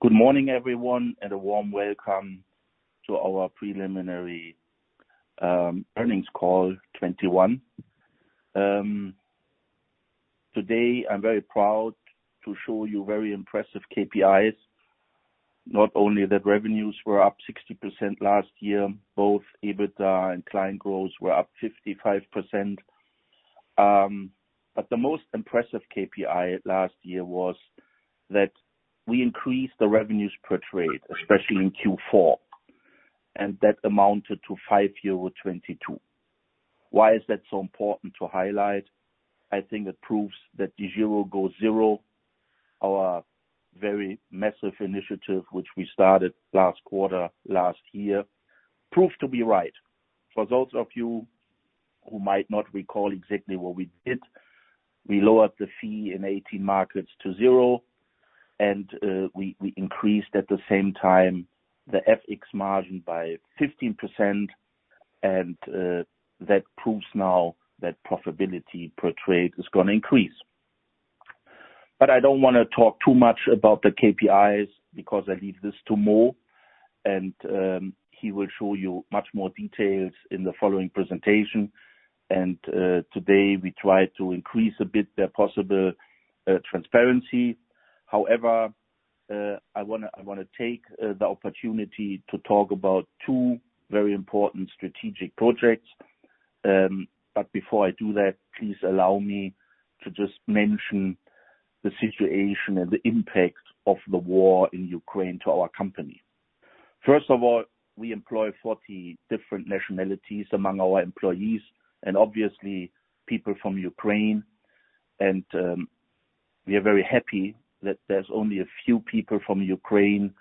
Good morning, everyone, and a warm welcome to our preliminary earnings call 2021. Today I'm very proud to show you very impressive KPIs. Not only that revenues were up 60% last year, both EBITDA and client growth were up 55%. The most impressive KPI last year was that we increased the revenues per trade, especially in Q4, and that amounted to 5.22 euro. Why is that so important to highlight? I think it proves that DEGIRO goes zero. Our very massive initiative, which we started last quarter last year, proved to be right. For those of you who might not recall exactly what we did, we lowered the fee in 18 markets to zero, and we increased at the same time the FX margin by 15%, and that proves now that profitability per trade is gonna increase. I don't wanna talk too much about the KPIs because I leave this to Mo, and he will show you much more details in the following presentation. Today we try to increase a bit the possible transparency. However, I wanna take the opportunity to talk about two very important strategic projects. Before I do that, please allow me to just mention the situation and the impact of the war in Ukraine to our company. First of all, we employ 40 different nationalities among our employees, and obviously people from Ukraine. We are very happy that there's only a few people from Ukraine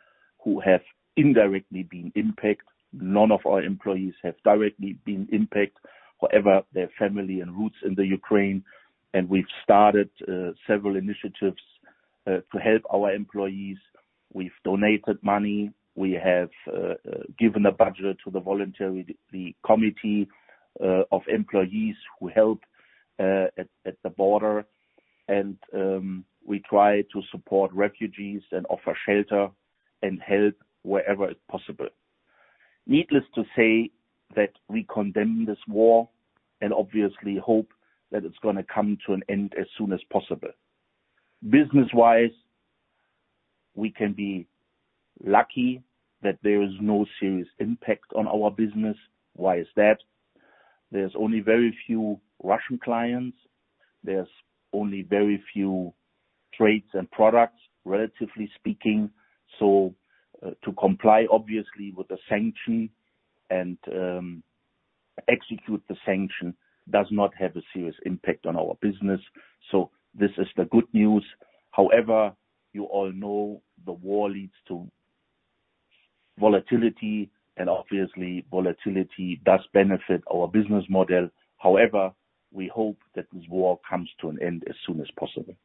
who have indirectly been impacted. None of our employees have directly been impacted. However, their family and roots in the Ukraine, and we've started several initiatives to help our employees. We've donated money. We have given a budget to the committee of employees who help at the border. We try to support refugees and offer shelter and help wherever possible. Needless to say that we condemn this war and obviously hope that it's gonna come to an end as soon as possible. Business-wise, we can be lucky that there is no serious impact on our business. Why is that? There's only very few Russian clients. There's only very few trades and products, relatively speaking. To comply, obviously, with the sanctions and execute the sanctions does not have a serious impact on our business. This is the good news. However, you all know the war leads to volatility, and obviously volatility does benefit our business model. However, we hope that this war comes to an end as soon as possible.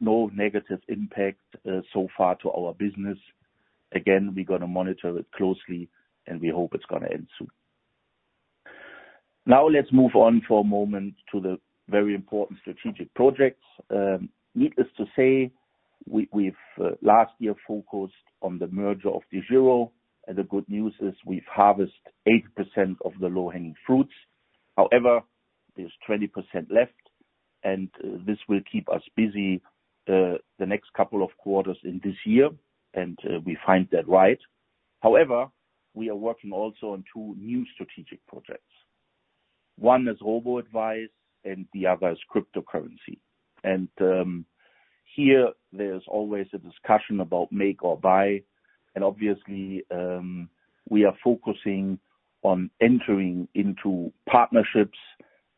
No negative impact so far to our business. Again, we're gonna monitor it closely, and we hope it's gonna end soon. Now let's move on for a moment to the very important strategic projects. Needless to say, we've last year focused on the merger of DEGIRO, and the good news is we've harvested 80% of the low-hanging fruits. However, there's 20% left, and this will keep us busy the next couple of quarters in this year, and we find that right. However, we are working also on two new strategic projects. One is robo-advice and the other is cryptocurrency. Here there's always a discussion about make or buy. Obviously, we are focusing on entering into partnerships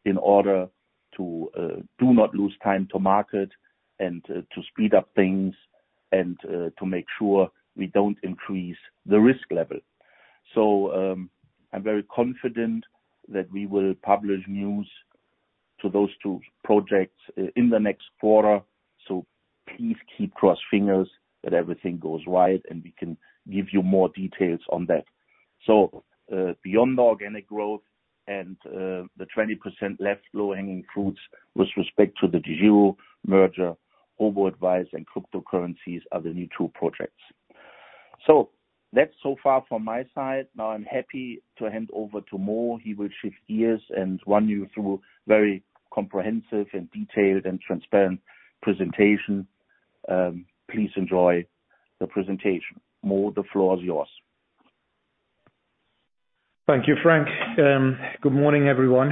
in order to do not lose time to market and to speed up things and to make sure we don't increase the risk level. I'm very confident that we will publish news to those two projects in the next quarter. Please keep fingers crossed that everything goes right, and we can give you more details on that. Beyond the organic growth and the 20% left low-hanging fruits with respect to the DEGIRO merger, robo-advice and cryptocurrencies are the new two projects. That's so far from my side. Now I'm happy to hand over to Mo. He will shift gears and run you through very comprehensive and detailed and transparent presentation. Please enjoy the presentation. Mo, the floor is yours. Thank you, Frank. Good morning, everyone.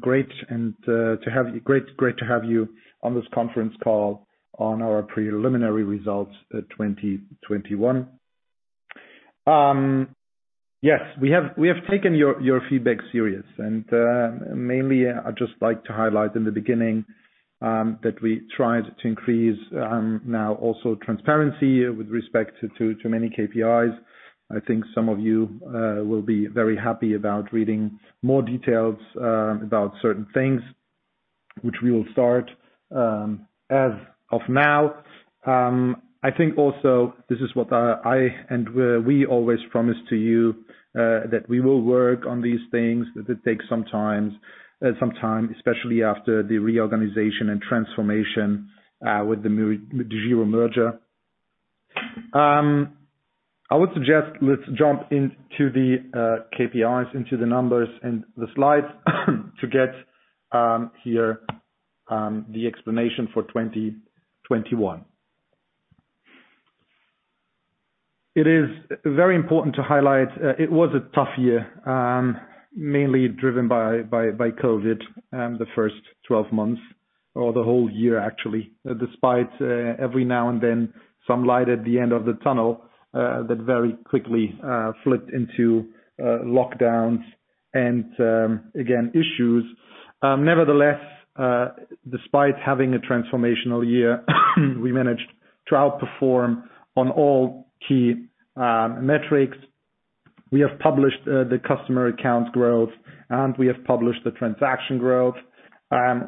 Great to have you on this conference call on our preliminary results 2021. Yes, we have taken your feedback seriously. Mainly I'd just like to highlight in the beginning that we tried to increase now also transparency with respect to many KPIs. I think some of you will be very happy about reading more details about certain things, which we will start as of now. I think also this is what I and we always promise to you that we will work on these things, that it takes some time, especially after the reorganization and transformation with the DEGIRO merger. I would suggest let's jump into the KPIs, into the numbers and the slides to get here the explanation for 2021. It is very important to highlight it was a tough year mainly driven by COVID the first 12 months or the whole year actually. Despite every now and then some light at the end of the tunnel that very quickly flipped into lockdowns and again issues. Nevertheless despite having a transformational year we managed to outperform on all key metrics. We have published the customer accounts growth, and we have published the transaction growth.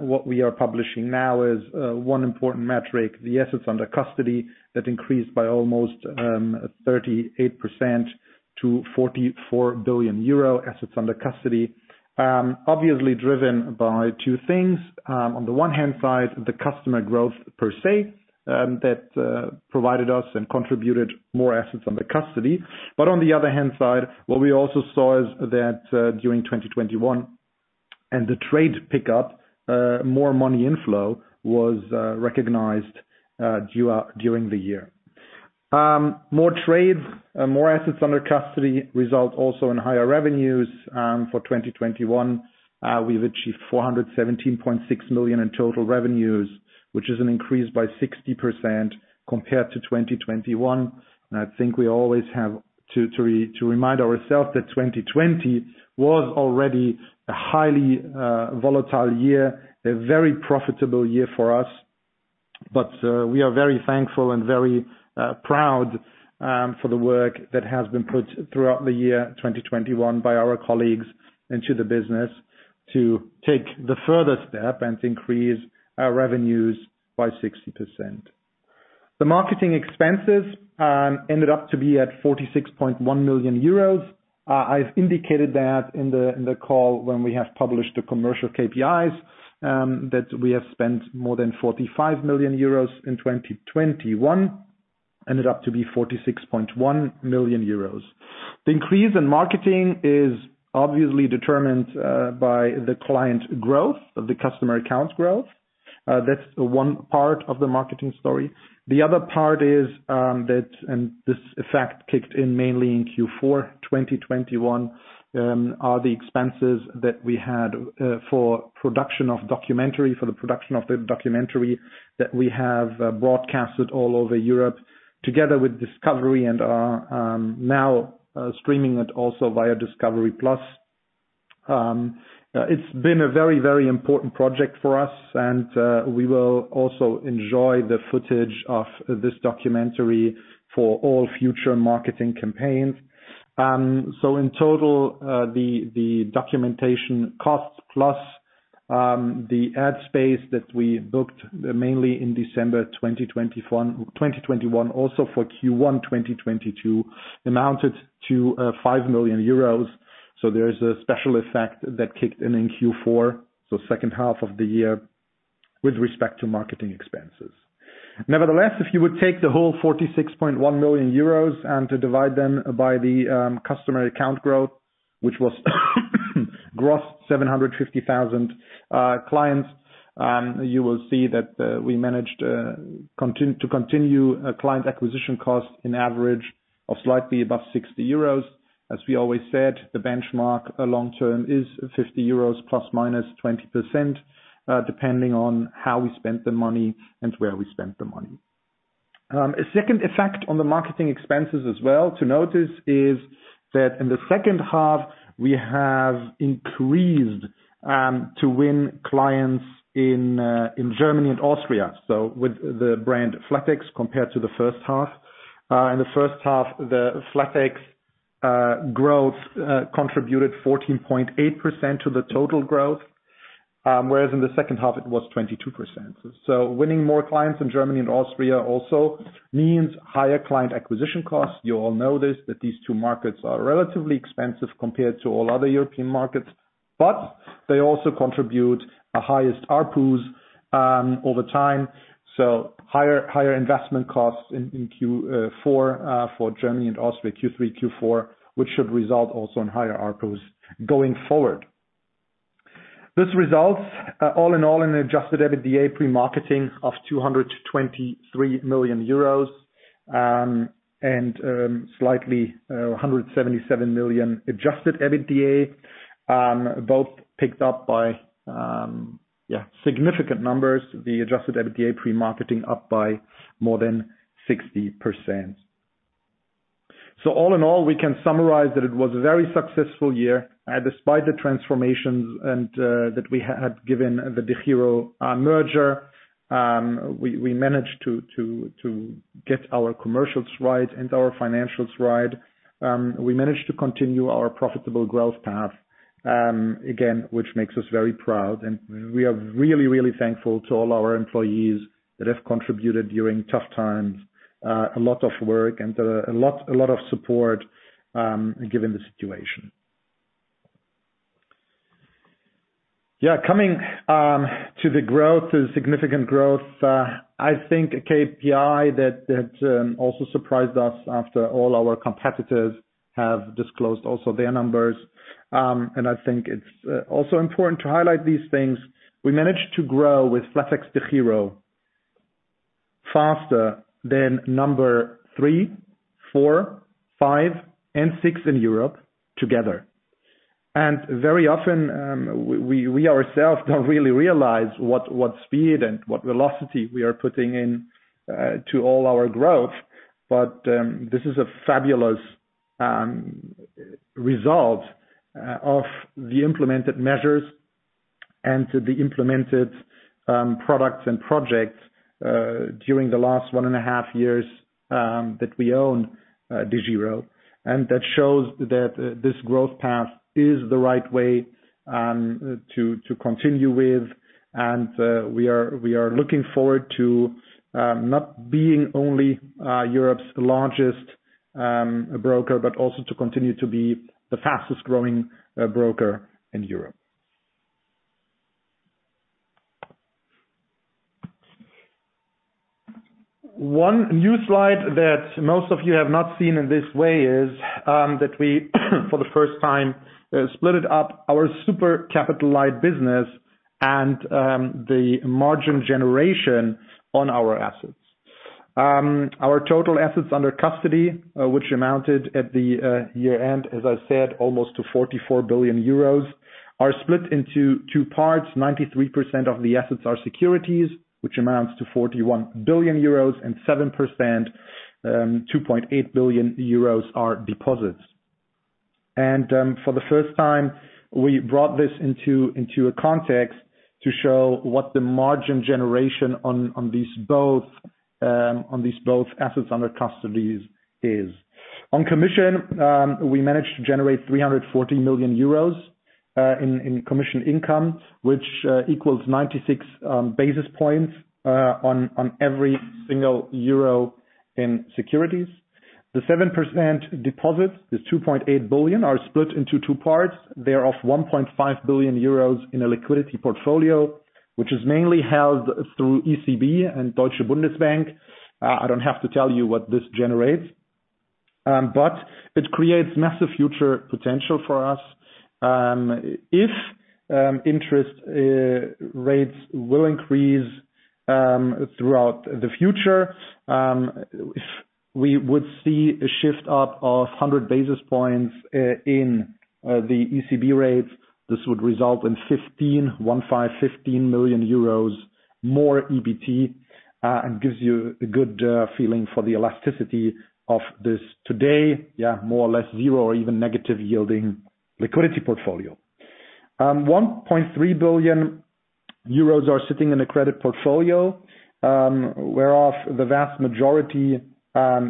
What we are publishing now is one important metric, the assets under custody that increased by almost 38% to 44 billion euro assets under custody. Obviously driven by two things. On the one hand, the customer growth per se, that provided us and contributed more assets under custody. On the other hand side, what we also saw is that during 2021 and the trade pickup, more money inflow was recognized during the year. More trades, more assets under custody result also in higher revenues for 2021. We've achieved 417.6 million in total revenues, which is an increase by 60% compared to 2021. I think we always have to remind ourselves that 2020 was already a highly volatile year, a very profitable year for us. We are very thankful and very proud for the work that has been put throughout the year 2021 by our colleagues into the business to take the further step and to increase our revenues by 60%. The marketing expenses ended up to be at 46.1 million euros. I've indicated that in the call when we have published the commercial KPIs that we have spent more than 45 million euros in 2021, ended up to be 46.1 million euros. The increase in marketing is obviously determined by the client growth of the customer accounts growth. That's one part of the marketing story. The other part is that and this effect kicked in mainly in Q4 2021, are the expenses that we had for the production of the documentary that we have broadcasted all over Europe together with Discovery and are now streaming it also via discovery+. It's been a very, very important project for us, and we will also enjoy the footage of this documentary for all future marketing campaigns. In total, the documentary costs plus the ad space that we booked mainly in December 2021 also for Q1 2022 amounted to 5 million euros. There is a special effect that kicked in in Q4, so second half of the year with respect to marketing expenses. Nevertheless, if you would take the whole 46.1 million euros and to divide them by the customer account growth, which was gross 750,000 clients, you will see that we managed to continue a client acquisition cost in average of slightly above 60 euros. As we always said, the benchmark long-term is 50 euros ±20%, depending on how we spent the money and where we spent the money. A second effect on the marketing expenses as well to notice is that in the second half we have increased to win clients in Germany and Austria with the brand flatex compared to the first half. In the first half, the flatex growth contributed 14.8% to the total growth, whereas in the second half it was 22%. Winning more clients in Germany and Austria also means higher client acquisition costs. You all know this, that these two markets are relatively expensive compared to all other European markets, but they also contribute the highest ARPU all the time. Higher investment costs in Q4 for Germany and Austria Q3, Q4, which should result also in higher ARPU going forward. This results all in all in Adjusted EBITDA pre-marketing of 200 million-223 million euros, and slightly 177 million Adjusted EBITDA, both picked up by significant numbers, the Adjusted EBITDA pre-marketing up by more than 60%. All in all, we can summarize that it was a very successful year, despite the transformations and that we had, given the DEGIRO merger. We managed to get our commercials right and our financials right. We managed to continue our profitable growth path, again, which makes us very proud and we are really thankful to all our employees that have contributed during tough times, a lot of work and a lot of support, given the situation. Coming to the growth, to the significant growth, I think a KPI that also surprised us after all our competitors have disclosed also their numbers. I think it's also important to highlight these things. We managed to grow with flatexDEGIRO faster than number three, four, five, and six in Europe together. Very often, we ourselves don't really realize what speed and what velocity we are putting in to all our growth. This is a fabulous result of the implemented measures and the implemented products and projects during the last 1.5 years that we own DEGIRO. That shows that this growth path is the right way to continue with. We are looking forward to not being only Europe's largest broker, but also to continue to be the fastest growing broker in Europe. One new slide that most of you have not seen in this way is that we, for the first time, split up our super-capitalized business and the margin generation on our assets. Our total assets under custody, which amounted at the year-end, as I said, almost to 44 billion euros, are split into two parts. 93% of the assets are securities, which amounts to 41 billion euros, and 7%, 2.8 billion euros, are deposits. For the first time, we brought this into a context to show what the margin generation on these both assets under custody is. On commission, we managed to generate 340 million euros in commission income, which equals 96 basis points on every single euro in securities. The 7% deposit, the 2.8 billion, are split into two parts. Thereof 1.5 billion euros in a liquidity portfolio, which is mainly held through ECB and Deutsche Bundesbank. I don't have to tell you what this generates. It creates massive future potential for us. If interest rates will increase throughout the future, if we would see a shift up of 100 basis points in the ECB rates, this would result in 15 million euros more EBT. Gives you a good feeling for the elasticity of this today. Yeah, more or less zero or even negative yielding liquidity portfolio. 1.3 billion euros are sitting in a credit portfolio, whereof the vast majority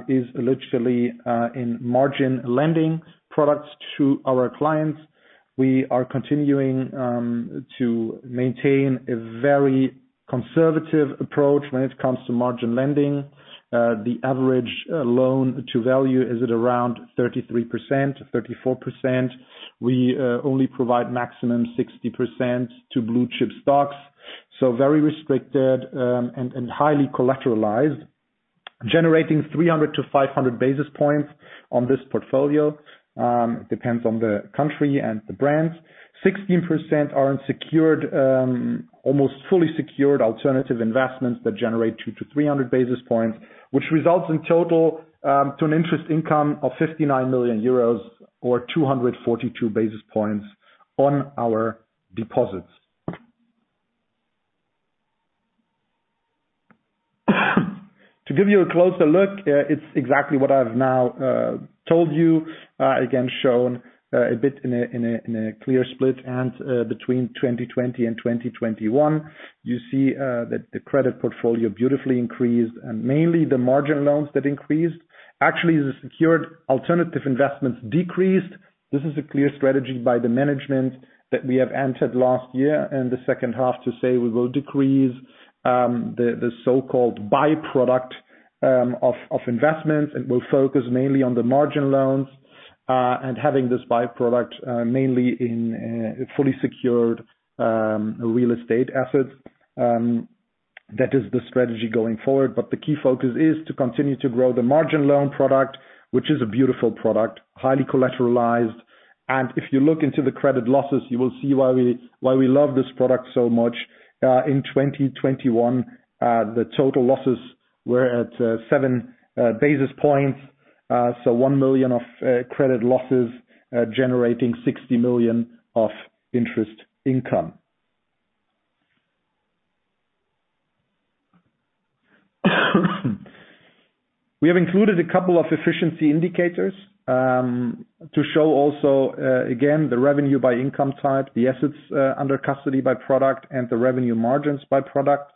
is literally in margin lending products to our clients. We are continuing to maintain a very conservative approach when it comes to margin lending. The average loan-to-value is at around 33%-34%. We only provide maximum 60% to blue chip stocks. Very restricted and highly collateralized. Generating 300-500 basis points on this portfolio depends on the country and the brands. 16% are in secured, almost fully secured alternative investments that generate 200-300 basis points, which results in total to an interest income of 59 million euros or 242 basis points on our deposits. To give you a closer look, it's exactly what I've now told you. Again, shown a bit in a clear split. Between 2020 and 2021, you see that the credit portfolio beautifully increased, and mainly the margin loans that increased. Actually, the secured alternative investments decreased. This is a clear strategy by the management that we have entered last year and the second half to say we will decrease the so-called by-product of investments and will focus mainly on the margin loans. Having this by-product, mainly in fully secured real estate assets. That is the strategy going forward. The key focus is to continue to grow the margin loan product, which is a beautiful product, highly collateralized. If you look into the credit losses, you will see why we love this product so much. In 2021, the total losses were at 7 basis points. So 1 million of credit losses generating 60 million of interest income. We have included a couple of efficiency indicators to show also again the revenue by income type, the assets under custody by product, and the revenue margins by product.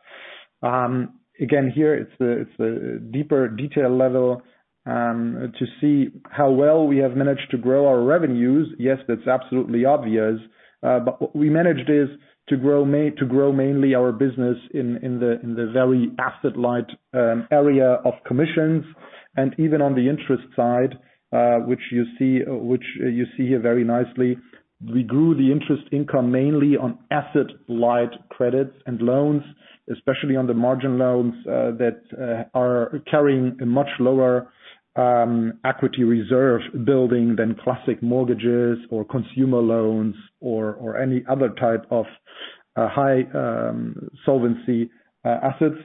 Again, here it's the deeper detail level to see how well we have managed to grow our revenues. Yes, that's absolutely obvious. What we managed is to grow mainly our business in the very asset light area of commissions. Even on the interest side, which you see here very nicely, we grew the interest income mainly on asset light credits and loans, especially on the margin loans that are carrying a much lower equity reserve building than classic mortgages or consumer loans or any other type of high solvency assets.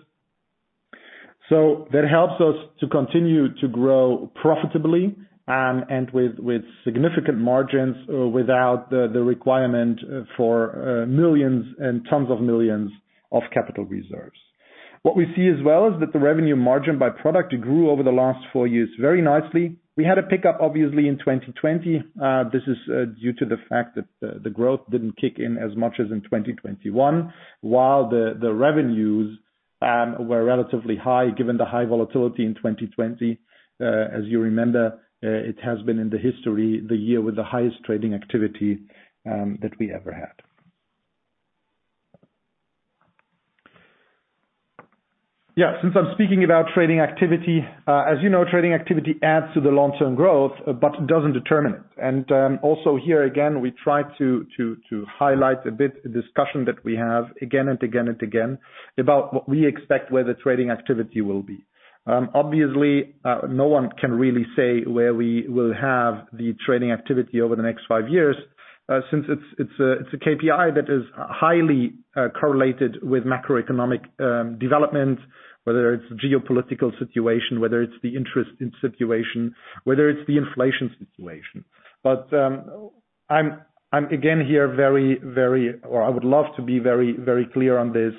That helps us to continue to grow profitably and with significant margins without the requirement for millions and tons of millions of capital reserves. What we see as well is that the revenue margin by product grew over the last four years very nicely. We had a pickup, obviously, in 2020. This is due to the fact that the growth didn't kick in as much as in 2021. While the revenues were relatively high given the high volatility in 2020. As you remember, it has been in the history the year with the highest trading activity that we ever had. Yeah, since I'm speaking about trading activity, as you know, trading activity adds to the long-term growth but doesn't determine it. Also here again, we try to highlight a bit the discussion that we have again and again and again about what we expect where the trading activity will be. Obviously, no one can really say where we will have the trading activity over the next five years, since it's a KPI that is highly correlated with macroeconomic development, whether it's geopolitical situation, whether it's the interest-rate situation, whether it's the inflation situation. I would love to be very clear on this.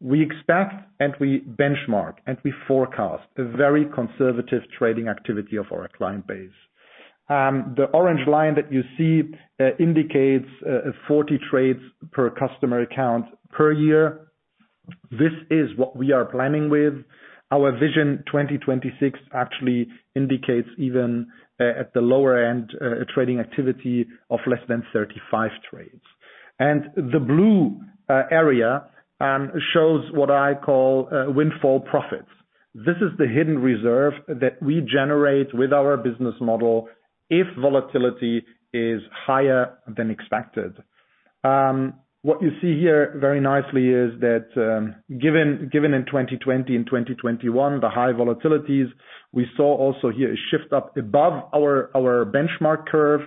We expect, and we benchmark, and we forecast a very conservative trading activity of our client base. The orange line that you see indicates 40 trades per customer account per year. This is what we are planning with. Our Vision 2026 actually indicates even at the lower end trading activity of less than 35 trades. The blue area shows what I call windfall profits. This is the hidden reserve that we generate with our business model if volatility is higher than expected. What you see here very nicely is that, given in 2020 and 2021, the high volatilities, we saw also here a shift up above our benchmark curve.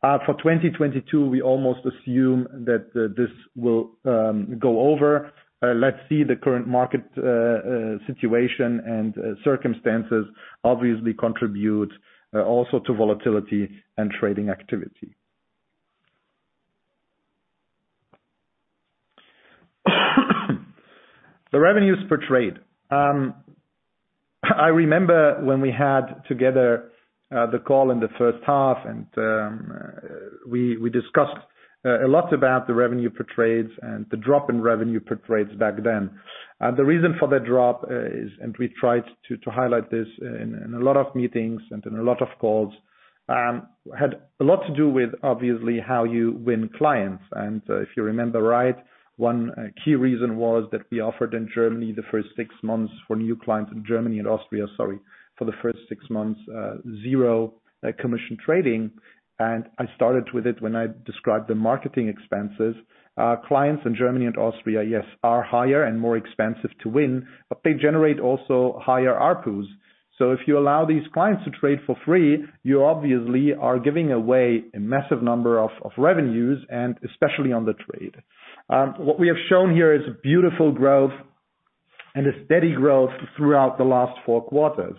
For 2022, we almost assume that this will go over. Let's see the current market situation and circumstances obviously contribute also to volatility and trading activity. The revenues per trade. I remember when we had together the call in the first half, and we discussed a lot about the revenue per trades and the drop in revenue per trades back then. The reason for the drop is we tried to highlight this in a lot of meetings and in a lot of calls. It had a lot to do with obviously how you win clients. If you remember right, one key reason was that we offered in Germany the first six months for new clients in Germany and Austria, sorry, for the first six months, zero commission trading. I started with it when I described the marketing expenses. Clients in Germany and Austria, yes, are higher and more expensive to win, but they generate also higher ARPUs. If you allow these clients to trade for free, you obviously are giving away a massive number of revenues and especially on the trade. What we have shown here is beautiful growth and a steady growth throughout the last four quarters.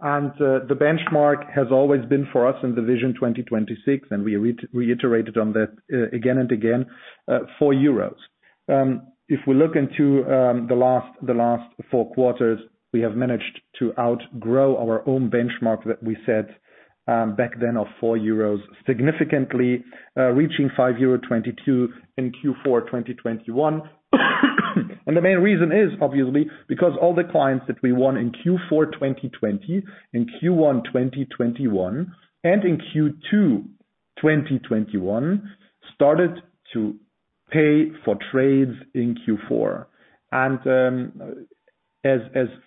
The benchmark has always been for us in the Vision 2026, and we reiterated on that again and again four euros. If we look into the last four quarters, we have managed to outgrow our own benchmark that we set back then of 4 euros, significantly, reaching 5.22 euro in Q4 2021. The main reason is obviously because all the clients that we won in Q4 2020, in Q1 2021, and in Q2 2021 started to pay for trades in Q4. As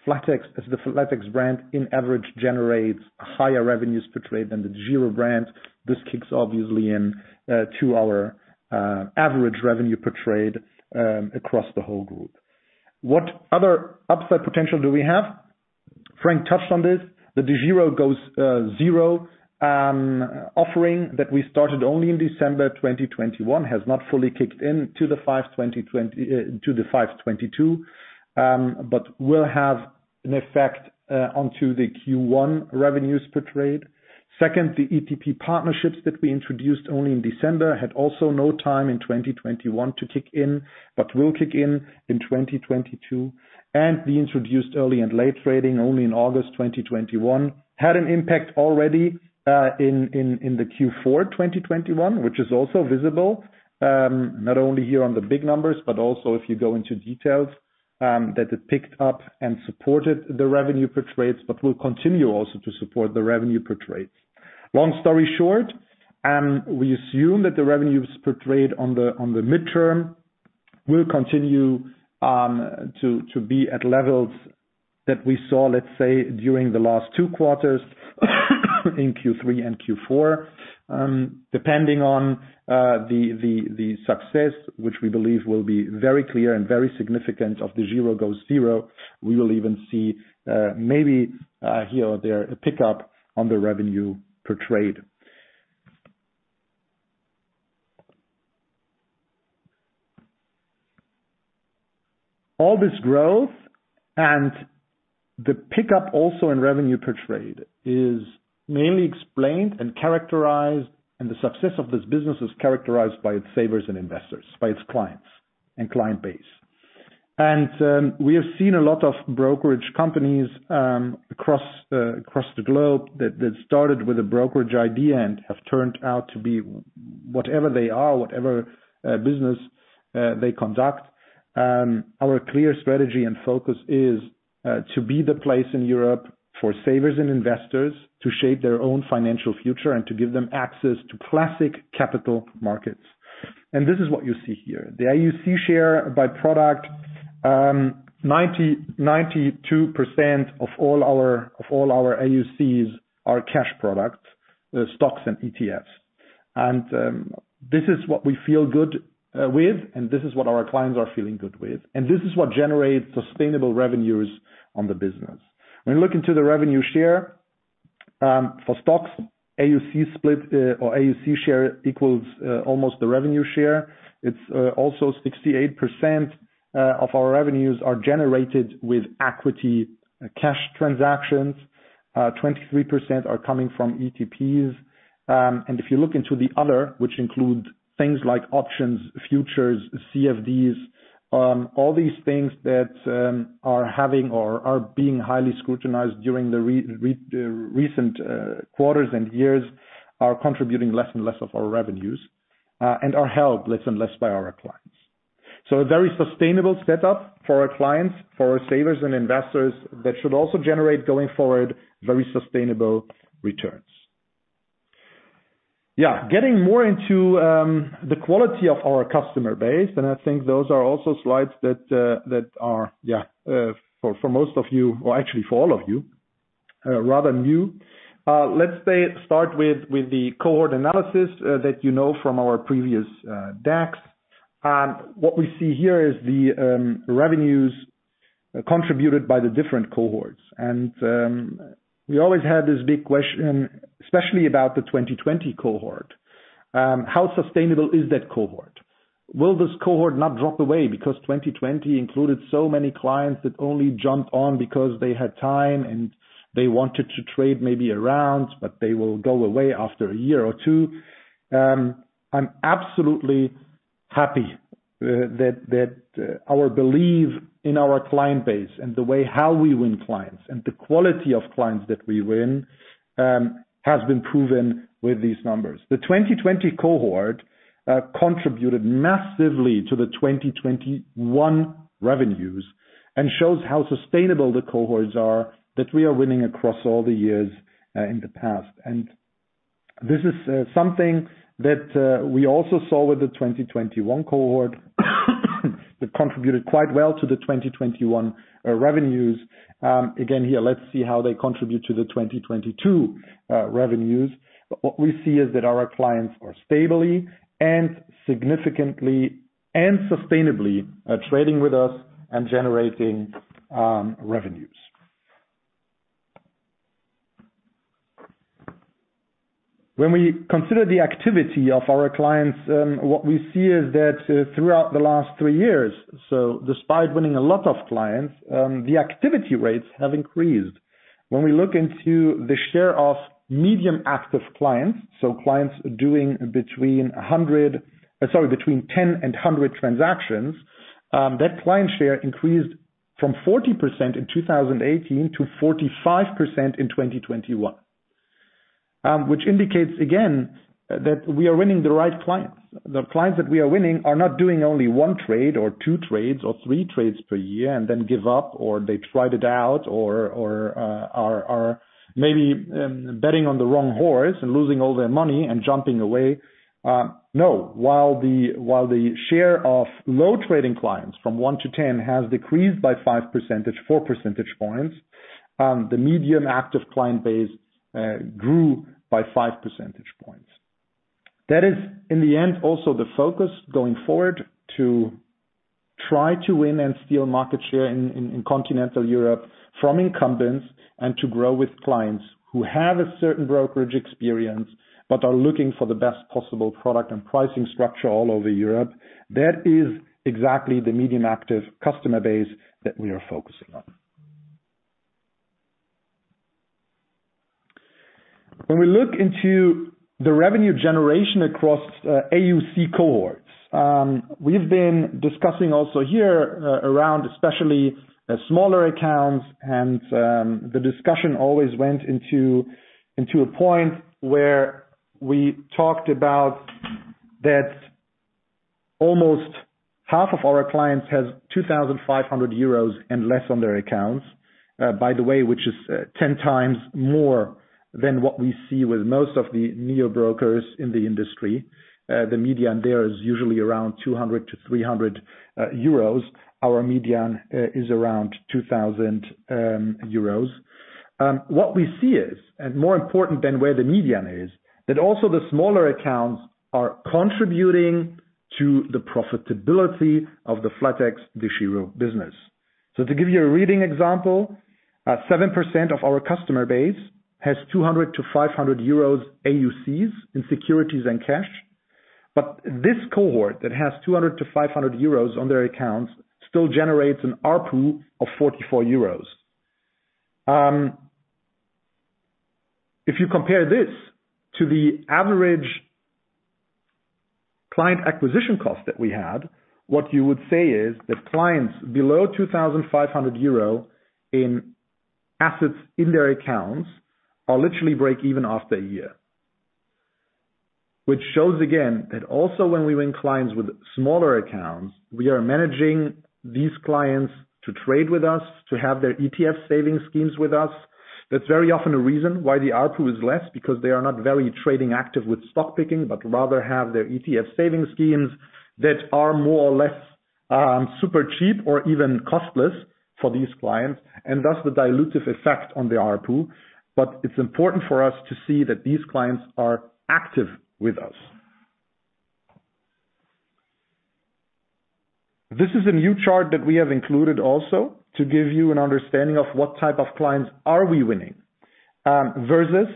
flatex, as the flatex brand on average generates higher revenues per trade than the zero brand, this kicks obviously in to our average revenue per trade across the whole group. What other upside potential do we have? Frank touched on this. The DEGIRO goes zero offering that we started only in December 2021 has not fully kicked in to the FY 2022. But it will have an effect on to the Q1 revenues per trade. Second, the ETP partnerships that we introduced only in December had also no time in 2021 to kick in, but will kick in in 2022. We introduced early and late trading only in August 2021. It had an impact already in the Q4 2021, which is also visible not only here on the big numbers, but also if you go into details that it picked up and supported the revenue per trades, but will continue also to support the revenue per trades. Long story short, we assume that the revenues per trade in the medium term will continue to be at levels that we saw, let's say, during the last two quarters in Q3 and Q4. Depending on the success which we believe will be very clear and very significant of the DEGIRO goes zero, we will even see maybe here or there a pickup in the revenue per trade. All this growth and the pickup also in revenue per trade is mainly explained and characterized, and the success of this business is characterized by its savers and investors, by its clients and client base. We have seen a lot of brokerage companies across the globe that started with a brokerage idea and have turned out to be whatever they are, whatever business they conduct. Our clear strategy and focus is to be the place in Europe for savers and investors to shape their own financial future and to give them access to classic capital markets. This is what you see here. The AUC share by product, 92% of all our AUCs are cash products, stocks and ETFs. This is what we feel good with, and this is what our clients are feeling good with. This is what generates sustainable revenues on the business. When you look into the revenue share for stocks, AUC split, or AUC share equals almost the revenue share. It's also 68% of our revenues are generated with equity cash transactions. 23% are coming from ETPs. If you look into the other, which include things like options, futures, CFDs, all these things that are having or are being highly scrutinized during the recent quarters and years are contributing less and less of our revenues, and are held less and less by our clients. A very sustainable setup for our clients, for our savers and investors that should also generate going forward very sustainable returns. Yeah. Getting more into the quality of our customer base, and I think those are also slides that that are, yeah, for most of you, or actually for all of you, rather new. Let's say start with the cohort analysis that you know from our previous decks. What we see here is the revenues contributed by the different cohorts. We always had this big question, especially about the 2020 cohort. How sustainable is that cohort? Will this cohort not drop away because 2020 included so many clients that only jumped on because they had time, and they wanted to trade maybe around, but they will go away after a year or two? I'm absolutely happy that that our belief in our client base and the way how we win clients and the quality of clients that we win has been proven with these numbers. The 2020 cohort contributed massively to the 2021 revenues and shows how sustainable the cohorts are that we are winning across all the years in the past. This is something that we also saw with the 2021 cohort that contributed quite well to the 2021 revenues. Again, here, let's see how they contribute to the 2022 revenues. What we see is that our clients are stably and significantly and sustainably trading with us and generating revenues. When we consider the activity of our clients, what we see is that throughout the last three years, so despite winning a lot of clients, the activity rates have increased. When we look into the share of medium active clients, so clients doing between 10 and 100 transactions, that client share increased from 40% in 2018 to 45% in 2021. Which indicates again that we are winning the right clients. The clients that we are winning are not doing only one trade or two trades or three trades per year and then give up, or they tried it out, or are maybe betting on the wrong horse and losing all their money and jumping away. No. While the share of low trading clients from one to 10 has decreased by 5.4 percentage points, the medium active client base grew by 5 percentage points. That is, in the end, also the focus going forward to try to win and steal market share in continental Europe from incumbents and to grow with clients who have a certain brokerage experience but are looking for the best possible product and pricing structure all over Europe. That is exactly the medium active customer base that we are focusing on. When we look into the revenue generation across AUC cohorts, we've been discussing also here around especially smaller accounts and the discussion always went into a point where we talked about that almost 1/2 of our clients has 2,500 euros and less on their accounts. By the way, which is 10x more than what we see with most of the neo-brokers in the industry. The median there is usually around 200-300 euros. Our median is around 2,000 euros. What we see is, and more important than where the median is, that also the smaller accounts are contributing to the profitability of the flatexDEGIRO business. To give you a reading example, 7% of our customer base has 200-500 euros AUCs in securities and cash. This cohort that has 200-500 euros on their accounts still generates an ARPU of 44 euros. If you compare this to the average client acquisition cost that we had, what you would say is that clients below 2,500 euro in assets in their accounts are literally break-even after a year. Which shows again that also when we win clients with smaller accounts, we are managing these clients to trade with us, to have their ETF saving schemes with us. That's very often a reason why the ARPU is less, because they are not very trading active with stock picking, but rather have their ETF saving schemes that are more or less super cheap or even costless for these clients, and thus the dilutive effect on the ARPU. It's important for us to see that these clients are active with us. This is a new chart that we have included also to give you an understanding of what type of clients are we winning versus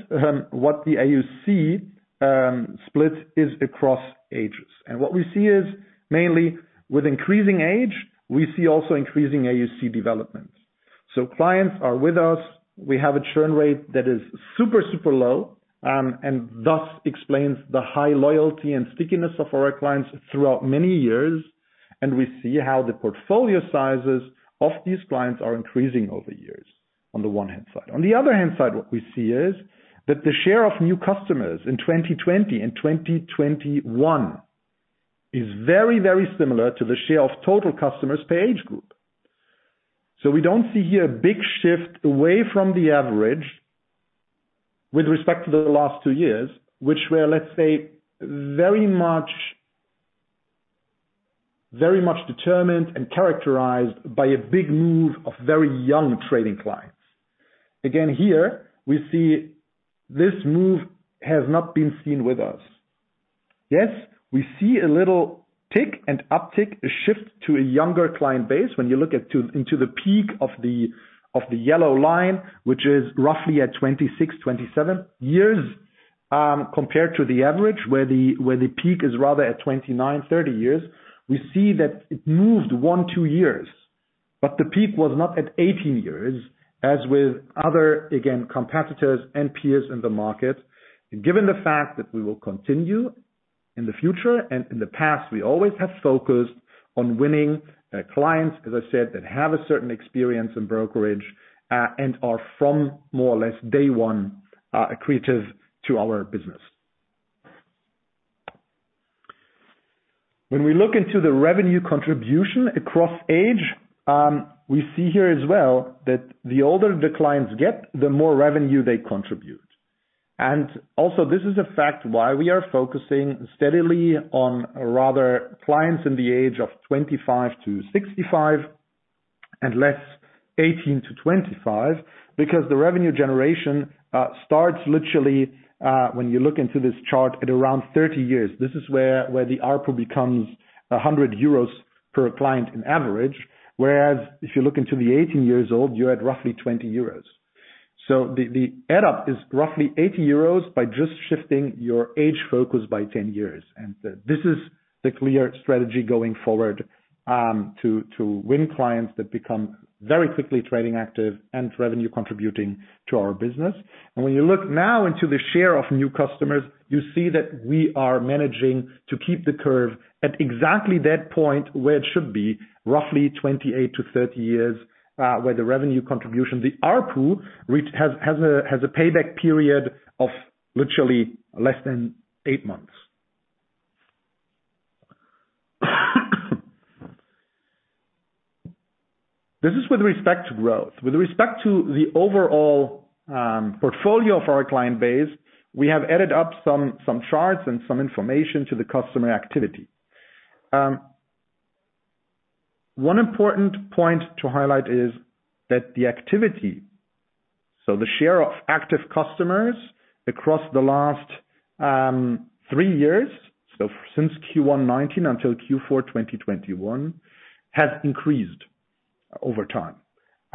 what the AUC split is across ages. What we see is mainly with increasing age, we see also increasing AUC development. Clients are with us. We have a churn rate that is super low, and thus explains the high loyalty and stickiness of our clients throughout many years. We see how the portfolio sizes of these clients are increasing over years on the one hand side. On the other hand side, what we see is that the share of new customers in 2020 and 2021 is very, very similar to the share of total customers per age group. We don't see here a big shift away from the average with respect to the last two years, which were, let's say, very much, very much determined and characterized by a big move of very young trading clients. Again, here we see this move has not been seen with us. Yes, we see a little tick and uptick, a shift to a younger client base when you look into the peak of the yellow line, which is roughly at 26-27 years, compared to the average, where the peak is rather at 29-30 years. We see that it moved one, two years, but the peak was not at 18 years, as with other competitors and peers in the market. Given the fact that we will continue in the future and in the past, we always have focused on winning clients, as I said, that have a certain experience in brokerage, and are from more or less day one accretive to our business. When we look into the revenue contribution across age, we see here as well that the older the clients get, the more revenue they contribute. This is a fact why we are focusing steadily on rather clients in the age of 25-65 and less 18-25, because the revenue generation starts literally when you look into this chart at around 30 years. This is where the ARPU becomes 100 euros per client in average. Whereas if you look into the 18 years old, you're at roughly 20 euros. The add up is roughly 80 euros by just shifting your age focus by 10 years. This is the clear strategy going forward to win clients that become very quickly trading active and revenue contributing to our business. When you look now into the share of new customers, you see that we are managing to keep the curve at exactly that point where it should be, roughly 28-30 years, where the revenue contribution, the ARPU has a payback period of literally less than eight months. This is with respect to growth. With respect to the overall portfolio for our client base, we have added some charts and some information to the customer activity. One important point to highlight is that the activity, so the share of active customers across the last three years, so since Q1 2019 until Q4 2021, has increased over time.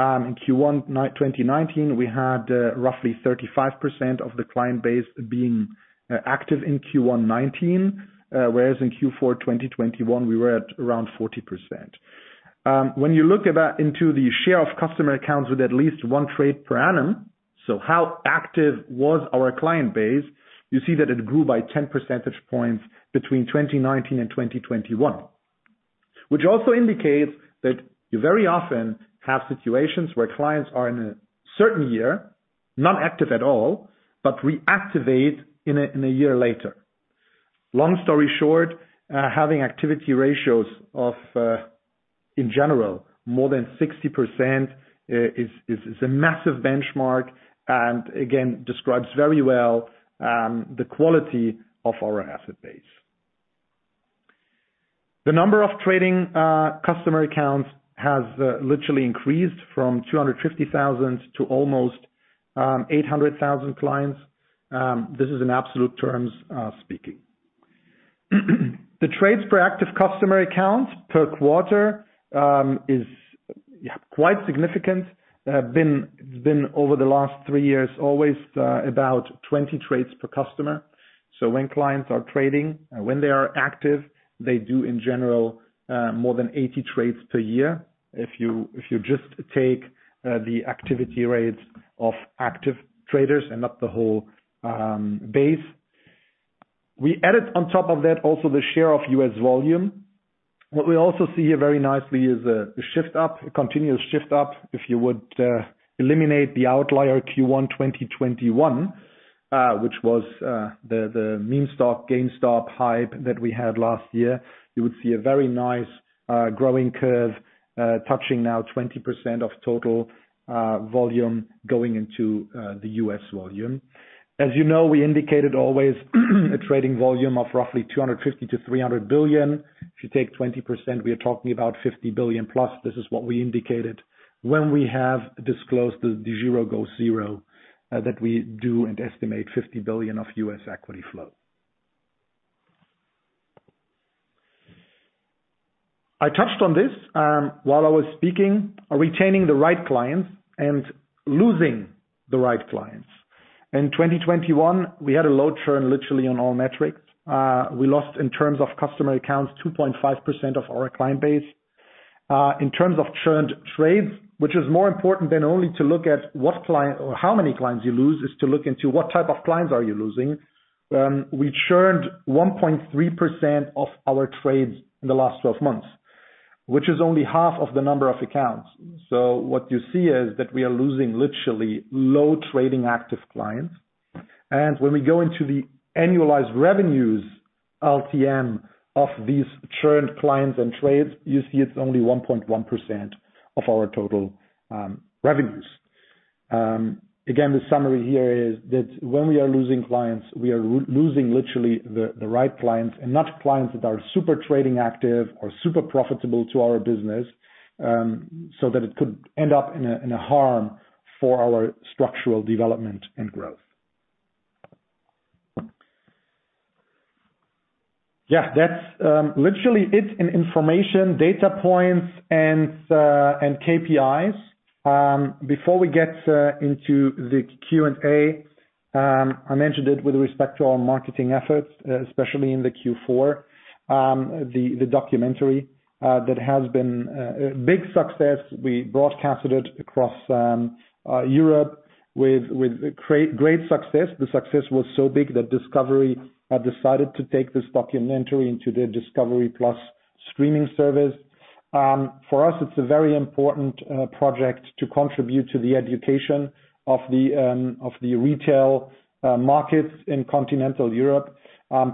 In Q1 2019, we had roughly 35% of the client base being active in Q1 2019. Whereas in Q4 2021, we were at around 40%. When you look into the share of customer accounts with at least one trade per annum, so how active was our client base, you see that it grew by 10 percentage points between 2019 and 2021. Which also indicates that you very often have situations where clients are in a certain year not active at all, but reactivate in a year later. Long story short, having activity ratios of in general more than 60% is a massive benchmark, and again describes very well the quality of our asset base. The number of trading customer accounts has literally increased from 250,000 to almost 800,000 clients. This is in absolute terms speaking. The trades per active customer accounts per quarter is quite significant. It has been over the last three years always about 20 trades per customer. When clients are trading, when they are active, they do, in general, more than 80 trades per year. If you just take the activity rates of active traders and not the whole base. We added on top of that also the share of U.S. volume. What we also see here very nicely is a shift up, a continuous shift up. If you would eliminate the outlier Q1 2021, which was the meme stock GameStop hype that we had last year, you would see a very nice growing curve touching now 20% of total volume going into the U.S. volume. As you know, we indicated always a trading volume of roughly 250 billion-300 billion. If you take 20%, we are talking about 50+ billion. This is what we indicated when we have disclosed the DEGIRO goes zero that we do and estimate 50 billion of U.S. equity flow. I touched on this while I was speaking. Retaining the right clients and losing the right clients. In 2021, we had a low churn literally on all metrics. We lost in terms of customer accounts, 2.5% of our client base. In terms of churned trades, which is more important than only to look at what client or how many clients you lose, is to look into what type of clients are you losing. We churned 1.3% of our trades in the last 12 months, which is only half of the number of accounts. What you see is that we are losing literally low trading active clients. When we go into the annualized revenues LTM of these churned clients and trades, you see it's only 1.1% of our total revenues. Again, the summary here is that when we are losing clients, we are losing literally the right clients and not clients that are super trading active or super profitable to our business, so that it could end up in a harm for our structural development and growth. Yeah, that's literally it in information, data points and KPIs. Before we get into the Q&A, I mentioned it with respect to our marketing efforts, especially in the Q4. The documentary that has been a big success. We broadcasted it across Europe with great success. The success was so big that Discovery has decided to take this documentary into their discovery+ streaming service. For us, it's a very important project to contribute to the education of the retail markets in continental Europe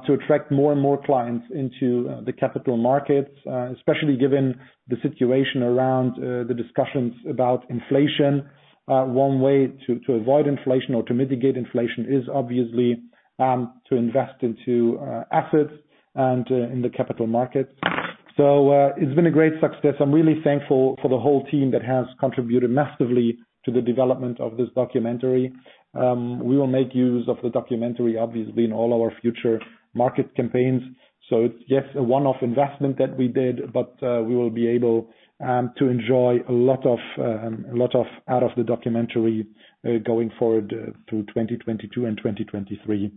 to attract more and more clients into the capital markets. Especially given the situation around the discussions about inflation. One way to avoid inflation or to mitigate inflation is obviously to invest into assets and in the capital markets. It's been a great success. I'm really thankful for the whole team that has contributed massively to the development of this documentary. We will make use of the documentary, obviously, in all our future market campaigns. It's, yes, a one-off investment that we did, but we will be able to enjoy a lot out of the documentary going forward through 2022 and 2023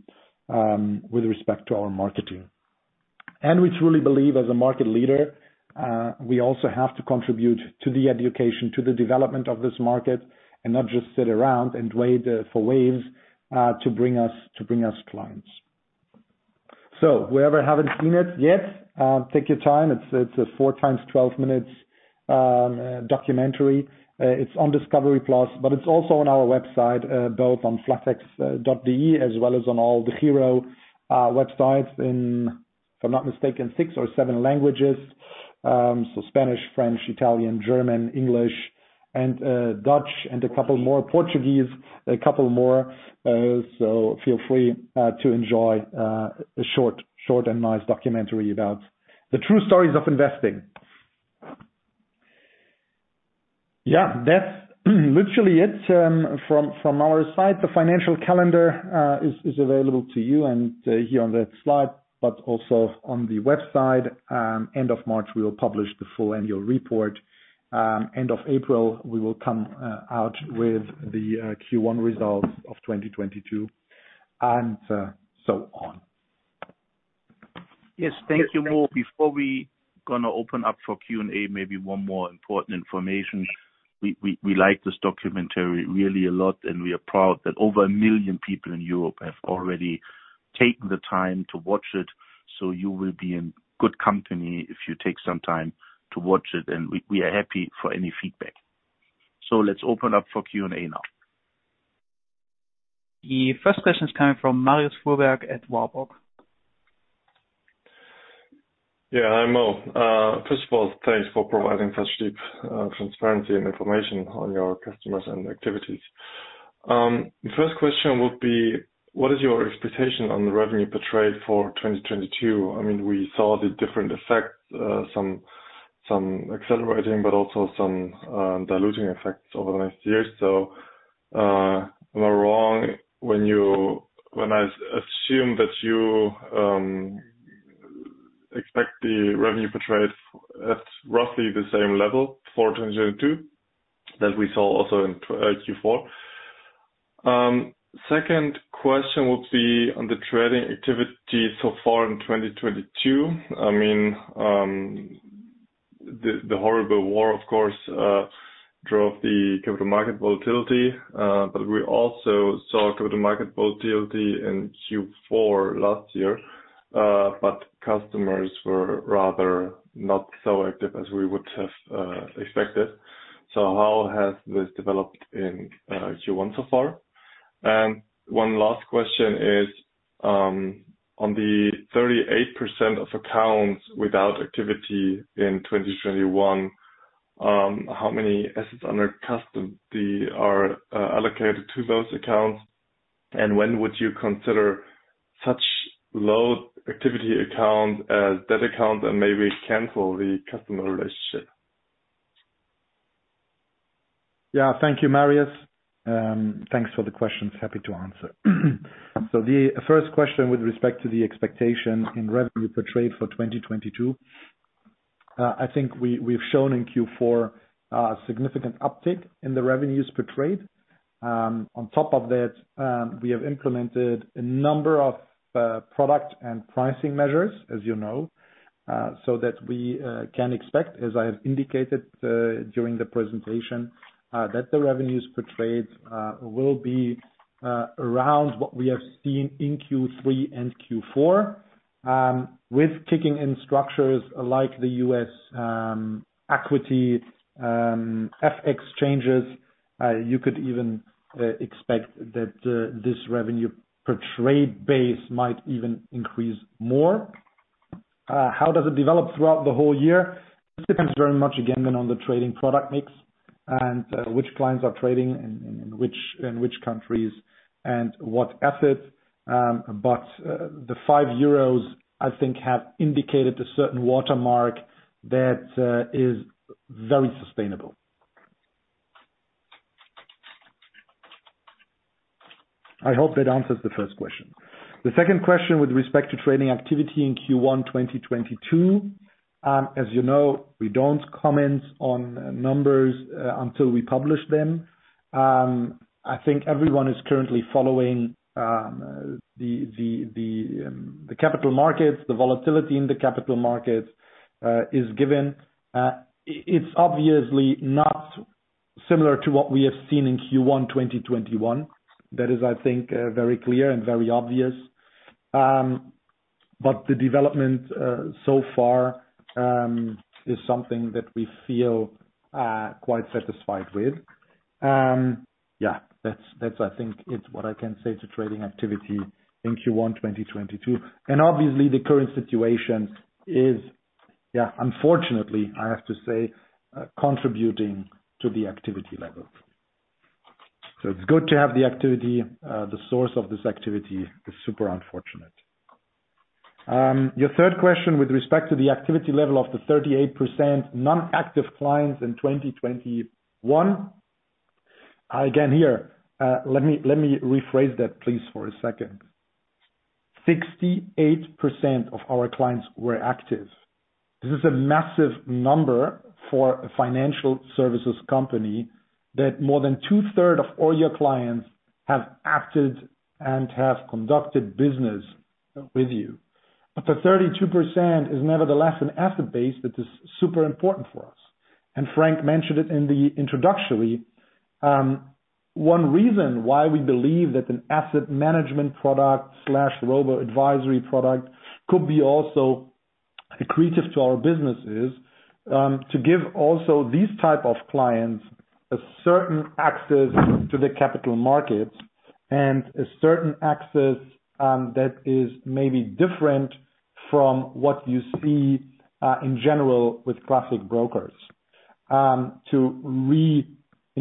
with respect to our marketing. We truly believe as a market leader we also have to contribute to the education, to the development of this market, and not just sit around and wait for waves to bring us clients. Whoever haven't seen it yet take your time. It's a four times 12 minutes documentary. It's on discovery+, but it's also on our website, both on flatex.de as well as on all the DEGIRO websites in, if I'm not mistaken, six or seven languages. So Spanish, French, Italian, German, English and Dutch and a couple more. Portuguese, a couple more. So feel free to enjoy a short and nice documentary about the true stories of investing. Yeah, that's literally it, from our side. The financial calendar is available to you and here on the slide, but also on the website. End of March, we will publish the full annual report. End of April, we will come out with the Q1 results of 2022 and so on. Yes. Thank you, Mo. Before we gonna open up for Q&A, maybe one more important information. We like this documentary really a lot, and we are proud that over a million people in Europe have already taken the time to watch it. You will be in good company if you take some time to watch it, and we are happy for any feedback. Let's open up for Q&A now. The first question is coming from Marius Fuhrberg at Warburg. Yeah. Hi, Mo. First of all, thanks for providing such deep transparency and information on your customers and activities. The first question would be, what is your expectation on the revenue per trade for 2022? I mean, we saw the different effects, some accelerating, but also some diluting effects over the last years. Am I wrong when I assume that you expect the revenue per trade at roughly the same level for 2022 that we saw also in Q4? Second question would be on the trading activity so far in 2022. I mean, the horrible war, of course, drove the capital market volatility. But we also saw capital market volatility in Q4 last year, but customers were rather not so active as we would have expected. How has this developed in Q1 so far? One last question is on the 38% of accounts without activity in 2021, how many assets under custody are allocated to those accounts? When would you consider such low activity account as dead account and maybe cancel the customer relationship? Yeah. Thank you, Marius. Thanks for the questions. Happy to answer. The first question with respect to the expectation in revenue per trade for 2022, I think we've shown in Q4 a significant uptick in the revenues per trade. On top of that, we have implemented a number of product and pricing measures, as you know, so that we can expect, as I have indicated, during the presentation, that the revenues per trade will be around what we have seen in Q3 and Q4. With kicking in structures like the U.S. equity FX exchanges, you could even expect that this revenue per trade base might even increase more. How does it develop throughout the whole year? Depends very much again on the trading product mix and which clients are trading in which countries and what assets. The 5 euros, I think, have indicated a certain watermark that is very sustainable. I hope that answers the first question. The second question with respect to trading activity in Q1 2022, as you know, we don't comment on numbers until we publish them. I think everyone is currently following the capital markets. The volatility in the capital markets is given. It's obviously not similar to what we have seen in Q1 2021. That is, I think, very clear and very obvious. The development so far is something that we feel quite satisfied with. I think it's what I can say to trading activity in Q1, 2022. Obviously the current situation is, unfortunately, I have to say, contributing to the activity level. It's good to have the activity. The source of this activity is super unfortunate. Your third question with respect to the activity level of the 38% non-active clients in 2021. Again here, let me rephrase that please for a second. 68% of our clients were active. This is a massive number for a financial services company that more than 2/3 of all your clients have acted and have conducted business with you. The 32% is nevertheless an asset base that is super important for us. Frank mentioned it in the introduction. One reason why we believe that an asset management product slash robo-advisory product could be also accretive to our business is to give also these type of clients a certain access to the capital markets and a certain access that is maybe different from what you see in general with classic brokers. In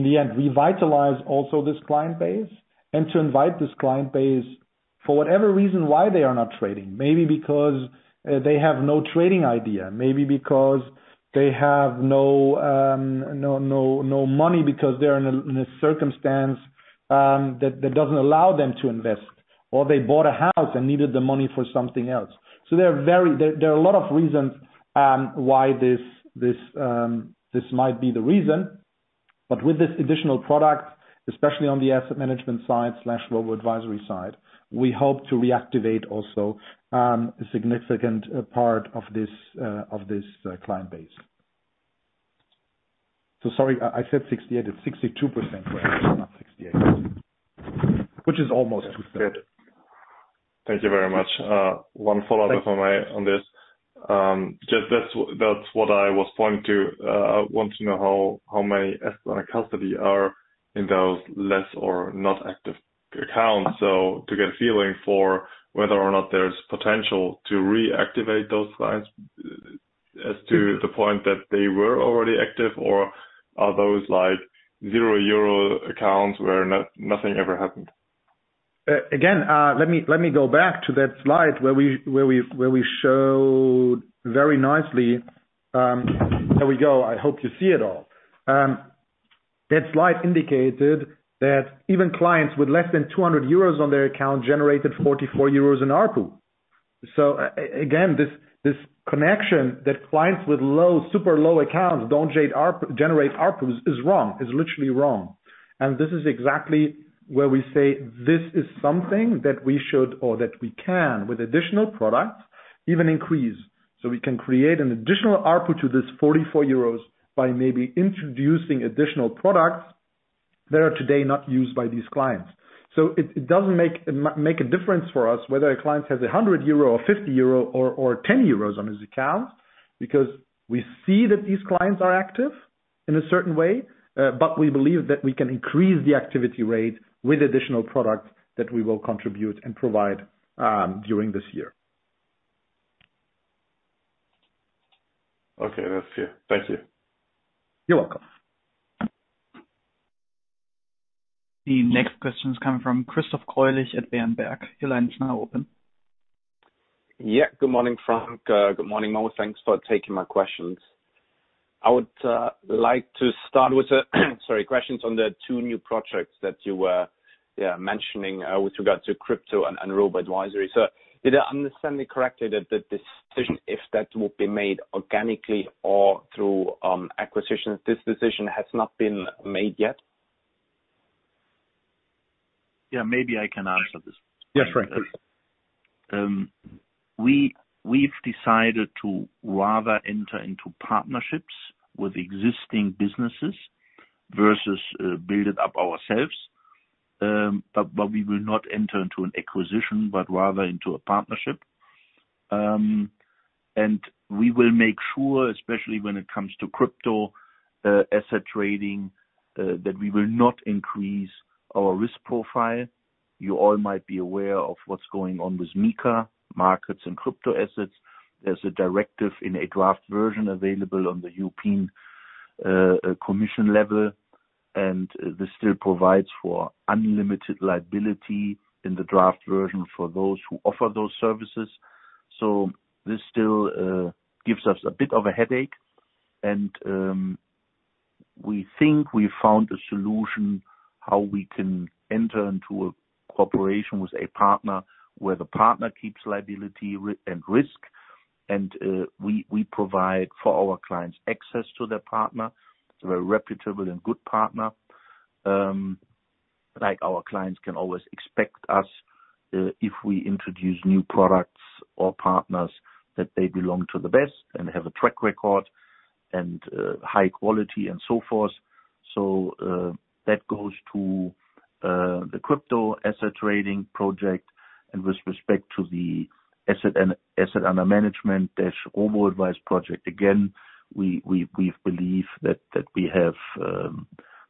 the end, revitalize also this client base and to invite this client base for whatever reason why they are not trading. Maybe because they have no trading idea, maybe because they have no money because they're in a circumstance that doesn't allow them to invest, or they bought a house and needed the money for something else. There are a lot of reasons why this might be the reason. With this additional product, especially on the asset management side, robo-advisory side, we hope to reactivate also a significant part of this client base. Sorry, I said 68%. It's 62% correct, not 68%. Which is almost 2/3. Thank you very much. One follow-up from my end on this. Just that's what I was pointing to. I want to know how many assets under custody are in those less or not active accounts. To get a feeling for whether or not there's potential to reactivate those clients as to the point that they were already active, or are those like 0 euro accounts where nothing ever happened? Again, let me go back to that slide where we showed very nicely. There we go. I hope you see it all. That slide indicated that even clients with less than 200 euros on their account generated 44 euros in ARPU. Again, this connection that clients with low, super low accounts don't generate ARPU is wrong, is literally wrong. This is exactly where we say this is something that we should or that we can, with additional products, even increase. We can create an additional ARPU to this 44 euros by maybe introducing additional products that are today not used by these clients. It doesn't make a difference for us whether a client has 100 euro or 50 euro or 10 euros on his account, because we see that these clients are active in a certain way. We believe that we can increase the activity rate with additional products that we will contribute and provide during this year. Okay. That's clear. Thank you. You're welcome. The next question is coming from Christoph Greulich at Berenberg. Your line is now open. Yeah. Good morning, Frank. Good morning, Mo. Thanks for taking my questions. I would like to start with questions on the two new projects that you were mentioning with regards to crypto and robo-advisory. Did I understand it correctly that the decision if that will be made organically or through acquisition, this decision has not been made yet? Yeah, maybe I can answer this. Yes, Frank, please. We've decided to rather enter into partnerships with existing businesses versus build it up ourselves. We will not enter into an acquisition, but rather into a partnership. We will make sure, especially when it comes to crypto asset trading, that we will not increase our risk profile. You all might be aware of what's going on with MiCA, Markets in Crypto-Assets. There's a directive in a draft version available on the European Commission level, and this still provides for unlimited liability in the draft version for those who offer those services. This still gives us a bit of a headache. We think we found a solution how we can enter into a cooperation with a partner, where the partner keeps liability and risk and we provide for our clients access to their partner. It's a very reputable and good partner. Like our clients can always expect us if we introduce new products or partners that they belong to the best and have a track record and high quality and so forth. That goes to the crypto asset trading project. With respect to the assets under management-robo-advice project, again, we believe that we have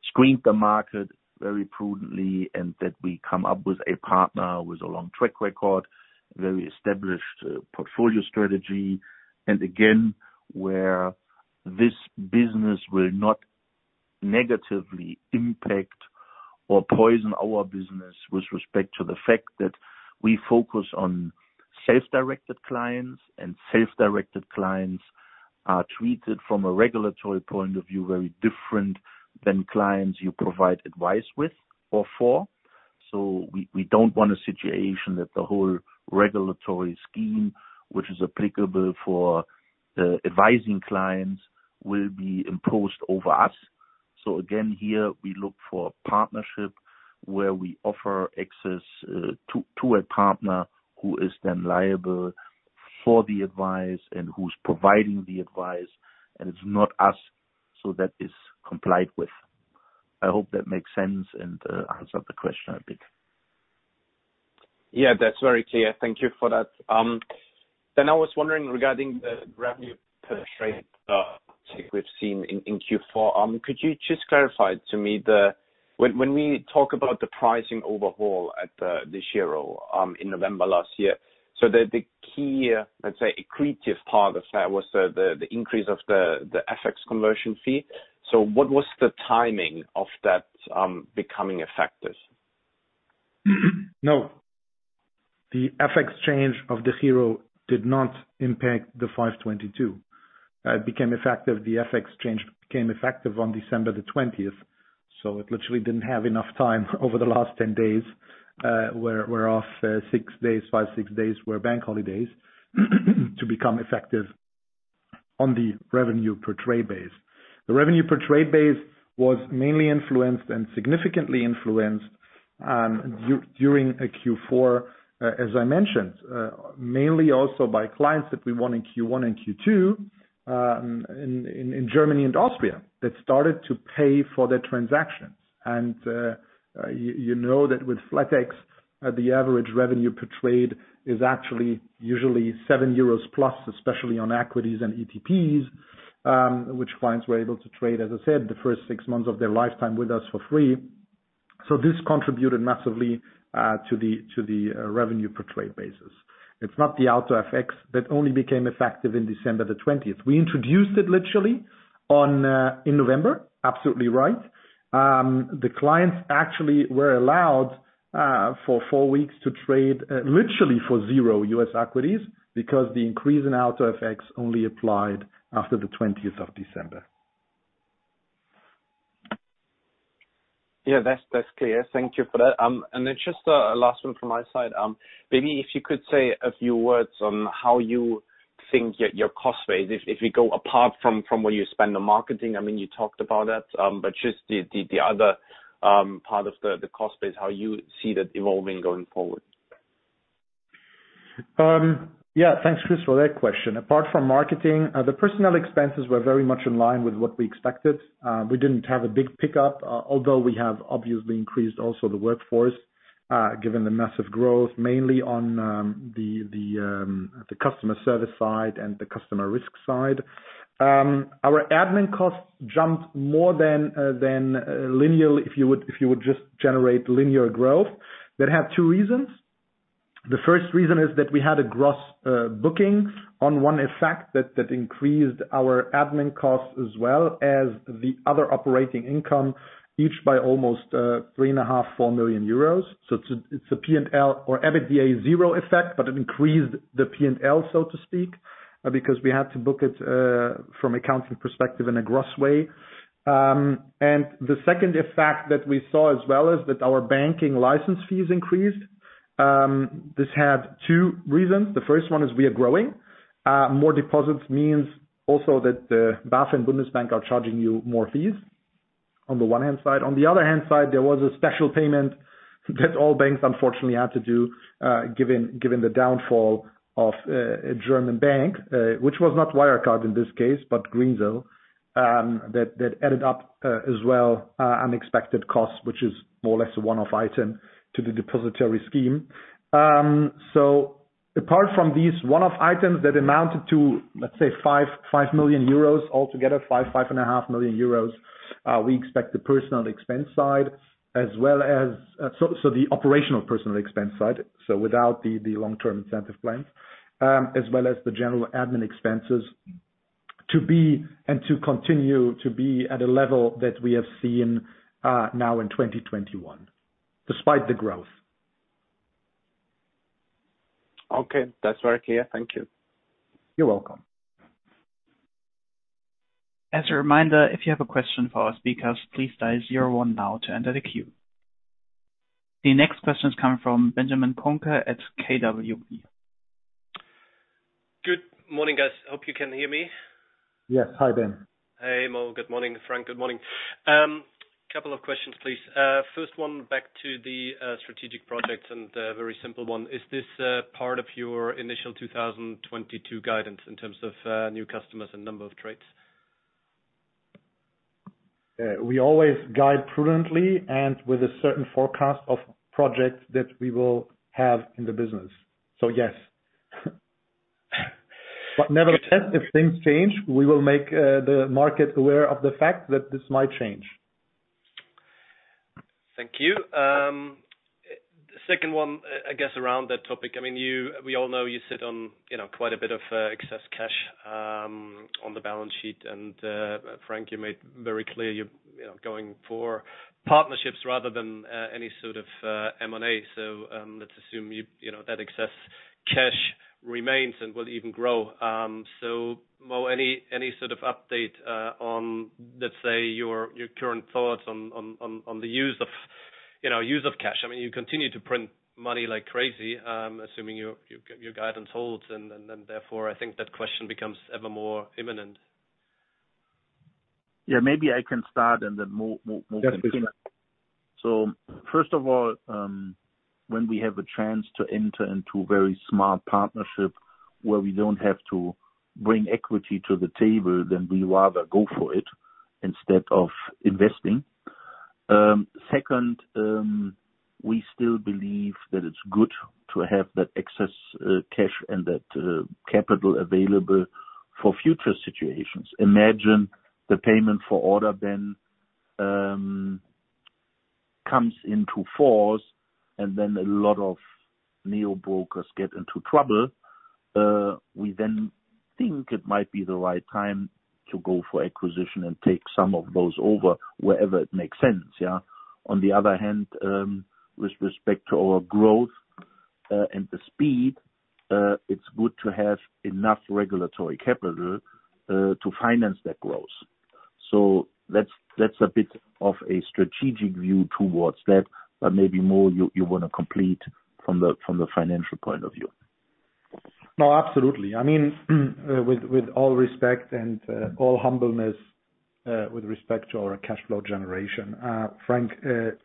screened the market very prudently and that we come up with a partner with a long track record, very established portfolio strategy. Again, where this business will not negatively impact or poison our business with respect to the fact that we focus on self-directed clients, and self-directed clients are treated from a regulatory point of view, very different than clients you provide advice with or for. We don't want a situation that the whole regulatory scheme, which is applicable for advising clients, will be imposed over us. Again, here we look for a partnership where we offer access to a partner who is then liable for the advice and who's providing the advice, and it's not us. That is complied with. I hope that makes sense and answers the question a bit. Yeah, that's very clear. Thank you for that. I was wondering regarding the revenue per trade check we've seen in Q4. Could you just clarify to me when we talk about the pricing overhaul in this year or in November last year, so the key, let's say, accretive part of that was the increase of the FX conversion fee. What was the timing of that becoming effective? No. The FX change of the euro did not impact the 5.22. It became effective, the FX change became effective on December 20th. It literally didn't have enough time over the last 10 days, whereof six days were bank holidays to become effective. On the revenue per trade basis. The revenue per trade basis was mainly influenced and significantly influenced during Q4, as I mentioned, mainly also by clients that we won in Q1 and Q2, in Germany and Austria, that started to pay for their transactions. You know that with flatex, the average revenue per trade is actually usually 7+ euros, especially on equities and ETPs, which clients were able to trade, as I said, the first six months of their lifetime with us for free. This contributed massively to the revenue per trade basis. It's not the AutoFX. That only became effective in December 20th. We introduced it literally in November. Absolutely right. The clients actually were allowed for four weeks to trade literally for zero U.S. equities because the increase in AutoFX only applied after 20th of December. Yeah, that's clear. Thank you for that. Then just a last one from my side. Maybe if you could say a few words on how you think your cost base, if you go apart from where you spend the marketing. I mean, you talked about that, but just the other part of the cost base, how you see that evolving going forward. Yeah. Thanks, Chris, for that question. Apart from marketing, the personnel expenses were very much in line with what we expected. We didn't have a big pickup, although we have obviously increased also the workforce, given the massive growth, mainly on the customer service side and the customer risk side. Our admin costs jumped more than linear if you would just generate linear growth. That had two reasons. The first reason is that we had a gross booking on one effect that increased our admin costs as well as the other operating income, each by almost 3.5 million-4 million euros. It's a P&L or EBITDA zero effect, but it increased the P&L, so to speak, because we had to book it from accounting perspective in a gross way. The second effect that we saw as well is that our banking license fees increased. This had two reasons. The first one is we are growing. More deposits means also that the BaFin and Bundesbank are charging you more fees on the one hand side. On the other hand side, there was a special payment that all banks unfortunately had to do given the downfall of a German bank, which was not Wirecard in this case, but Greensill. That added up as well unexpected costs, which is more or less a one-off item to the depositary scheme. Apart from these one-off items that amounted to, let's say 5 million euros altogether, 5.5 million euros, we expect the personal expense side as well as the operational personal expense side, so without the long-term incentive plans, as well as the general admin expenses to be and to continue to be at a level that we have seen now in 2021, despite the growth. Okay. That's very clear. Thank you. You're welcome. As a reminder, if you have a question for our speakers, please dial zero one now to enter the queue. The next question is coming from Benjamin Kohnke at KBW. Good morning, guys. Hope you can hear me. Yes. Hi, Ben. Hey, Mo. Good morning, Frank. Good morning. Couple of questions, please. First one, back to the strategic projects, and very simple one. Is this part of your initial 2022 guidance in terms of new customers and number of trades? We always guide prudently and with a certain forecast of projects that we will have in the business. Yes. Nevertheless, if things change, we will make the market aware of the fact that this might change. Thank you. Second one, I guess around that topic. I mean, we all know you sit on, you know, quite a bit of excess cash on the balance sheet. Frank, you made very clear you're, you know, going for partnerships rather than any sort of M&A. Let's assume that excess cash remains and will even grow. Mo, any sort of update on, let's say, your current thoughts on the use of cash? I mean, you continue to print money like crazy, assuming your guidance holds and then therefore, I think that question becomes ever more imminent. Yeah, maybe I can start and then Mo can finish Yes, please. First of all, when we have a chance to enter into very smart partnership where we don't have to bring equity to the table, then we rather go for it instead of investing. Second, we still believe that it's good to have that excess cash and that capital available for future situations. Imagine the Payment for Order Flow then comes into force, and then a lot of neo-brokers get into trouble. We then think it might be the right time to go for acquisition and take some of those over wherever it makes sense, yeah. On the other hand, with respect to our growth and the speed, it's good to have enough regulatory capital to finance that growth. That's a bit of a strategic view towards that, but maybe more you wanna complete from the financial point of view. No, absolutely. I mean, with all respect and all humbleness, with respect to our cash flow generation, Frank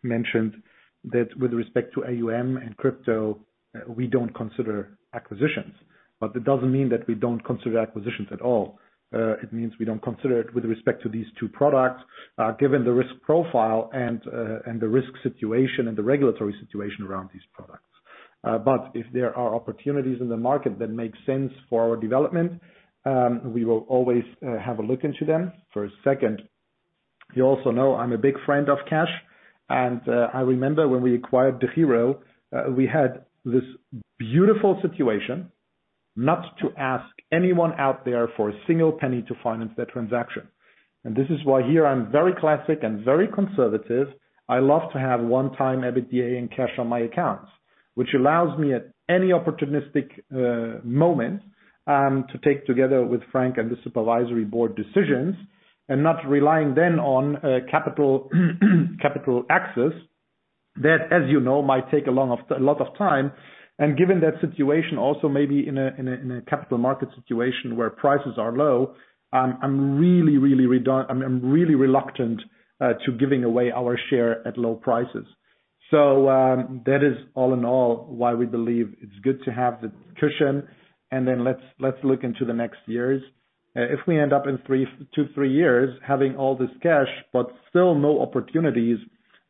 mentioned that with respect to AUM and crypto, we don't consider acquisitions. It doesn't mean that we don't consider acquisitions at all. It means we don't consider it with respect to these two products, given the risk profile and the risk situation and the regulatory situation around these products. If there are opportunities in the market that make sense for our development, we will always have a look into them for a second. You also know I'm a big friend of cash. I remember when we acquired DEGIRO, we had this beautiful situation not to ask anyone out there for a single penny to finance that transaction. This is why here I'm very classic and very conservative. I love to have one time EBITDA and cash on my accounts, which allows me at any opportunistic moment to take together with Frank and the supervisory board decisions and not relying then on capital access that, as you know, might take a lot of time. Given that situation also maybe in a capital market situation where prices are low, I'm really reluctant to giving away our share at low prices. That is all in all why we believe it's good to have the cushion. Then let's look into the next years. If we end up in two, three years having all this cash but still no opportunities,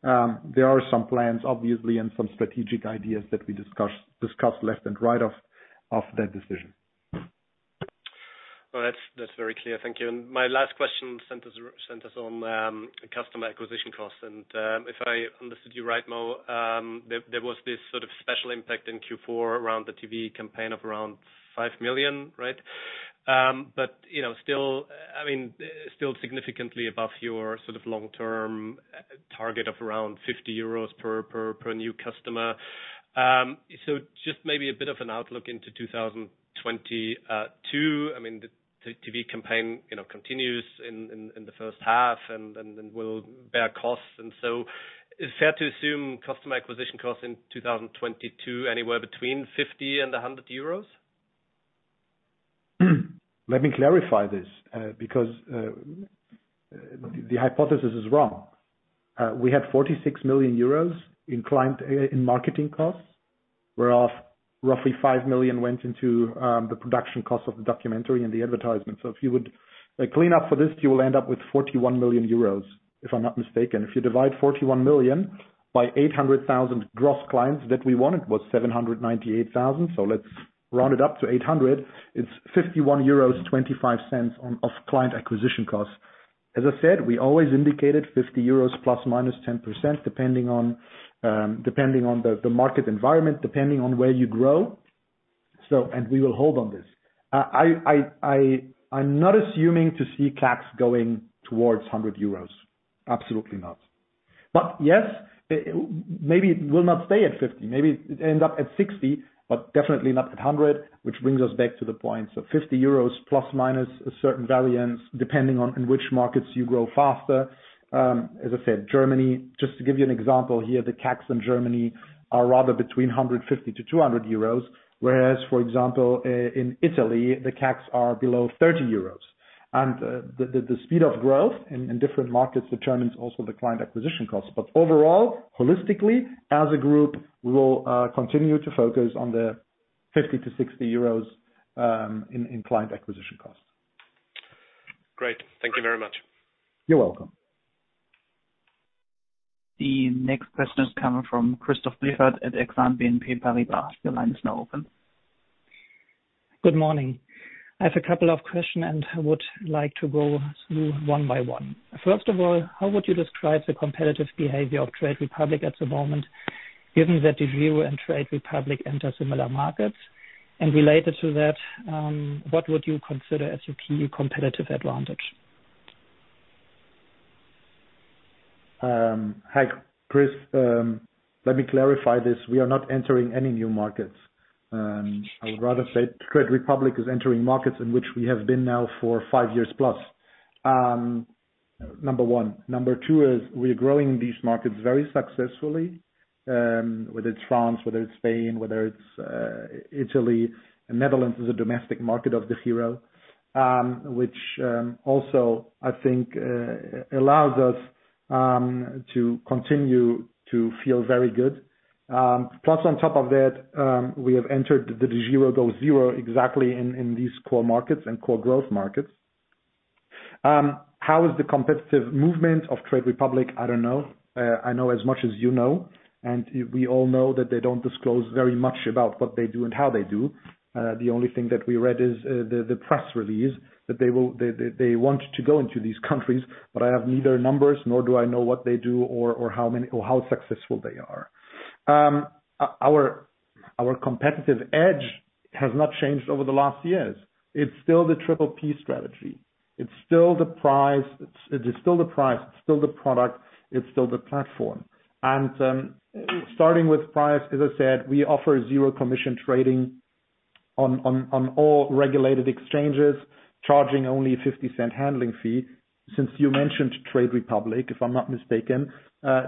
there are some plans obviously and some strategic ideas that we discuss left and right of that decision. Well, that's very clear. Thank you. My last question centers on customer acquisition costs. If I understood you right, Mo, there was this sort of special impact in Q4 around the TV campaign of around 5 million, right? You know, still, I mean, still significantly above your sort of long-term target of around 50 euros per new customer. Just maybe a bit of an outlook into 2022. I mean, the TV campaign, you know, continues in the first half and will bear costs. Is it fair to assume customer acquisition costs in 2022 anywhere between 50 and 100 euros? Let me clarify this, because the hypothesis is wrong. We had 46 million euros in client marketing costs, whereof roughly 5 million went into the production cost of the documentary and the advertisement. If you would clean up for this, you will end up with 41 million euros, if I'm not mistaken. If you divide 41 million by 800,000 gross clients that we had was 798,000. Let's round it up to 800,000. It's 51.25 euros of client acquisition costs. As I said, we always indicated 50 euros ±10%, depending on the market environment, depending on where you grow. We will hold on this. I'm not expecting to see CACs going towards 100 euros. Absolutely not. Yes, maybe it will not stay at 50, maybe end up at 60, but definitely not at 100, which brings us back to the point. EUR 50± a certain variance, depending on in which markets you grow faster. As I said, Germany, just to give you an example here, the CACs in Germany are rather between 150-200 euros, whereas, for example, in Italy, the CACs are below 30 euros. The speed of growth in different markets determines also the client acquisition costs. Overall, holistically as a group, we will continue to focus on the 50-60 euros in client acquisition costs. Great. Thank you very much. You're welcome. The next question is coming from Christoph Blieffert at Exane BNP Paribas. Your line is now open. Good morning. I have a couple of questions, and I would like to go through one by one. First of all, how would you describe the competitive behavior of Trade Republic at the moment, given that DEGIRO and Trade Republic enter similar markets? And related to that, what would you consider as your key competitive advantage? Hi, Chris. Let me clarify this. We are not entering any new markets. I would rather say Trade Republic is entering markets in which we have been now for 5+ years. Number one. Number two is we're growing these markets very successfully, whether it's France, whether it's Spain, whether it's Italy. Netherlands is a domestic market of the DEGIRO, which also, I think, allows us to continue to feel very good. Plus on top of that, we have entered the DEGIRO goes zero exactly in these core markets and core growth markets. How is the competitive movement of Trade Republic? I don't know. I know as much as you know, and we all know that they don't disclose very much about what they do and how they do. The only thing that we read is the press release that they want to go into these countries, but I have neither numbers nor do I know what they do or how many or how successful they are. Our competitive edge has not changed over the last years. It's still the Triple P strategy. It's still the price. It's still the product. It's still the platform. Starting with price, as I said, we offer zero commission trading on all regulated exchanges, charging only 0.50 handling fee. Since you mentioned Trade Republic, if I'm not mistaken,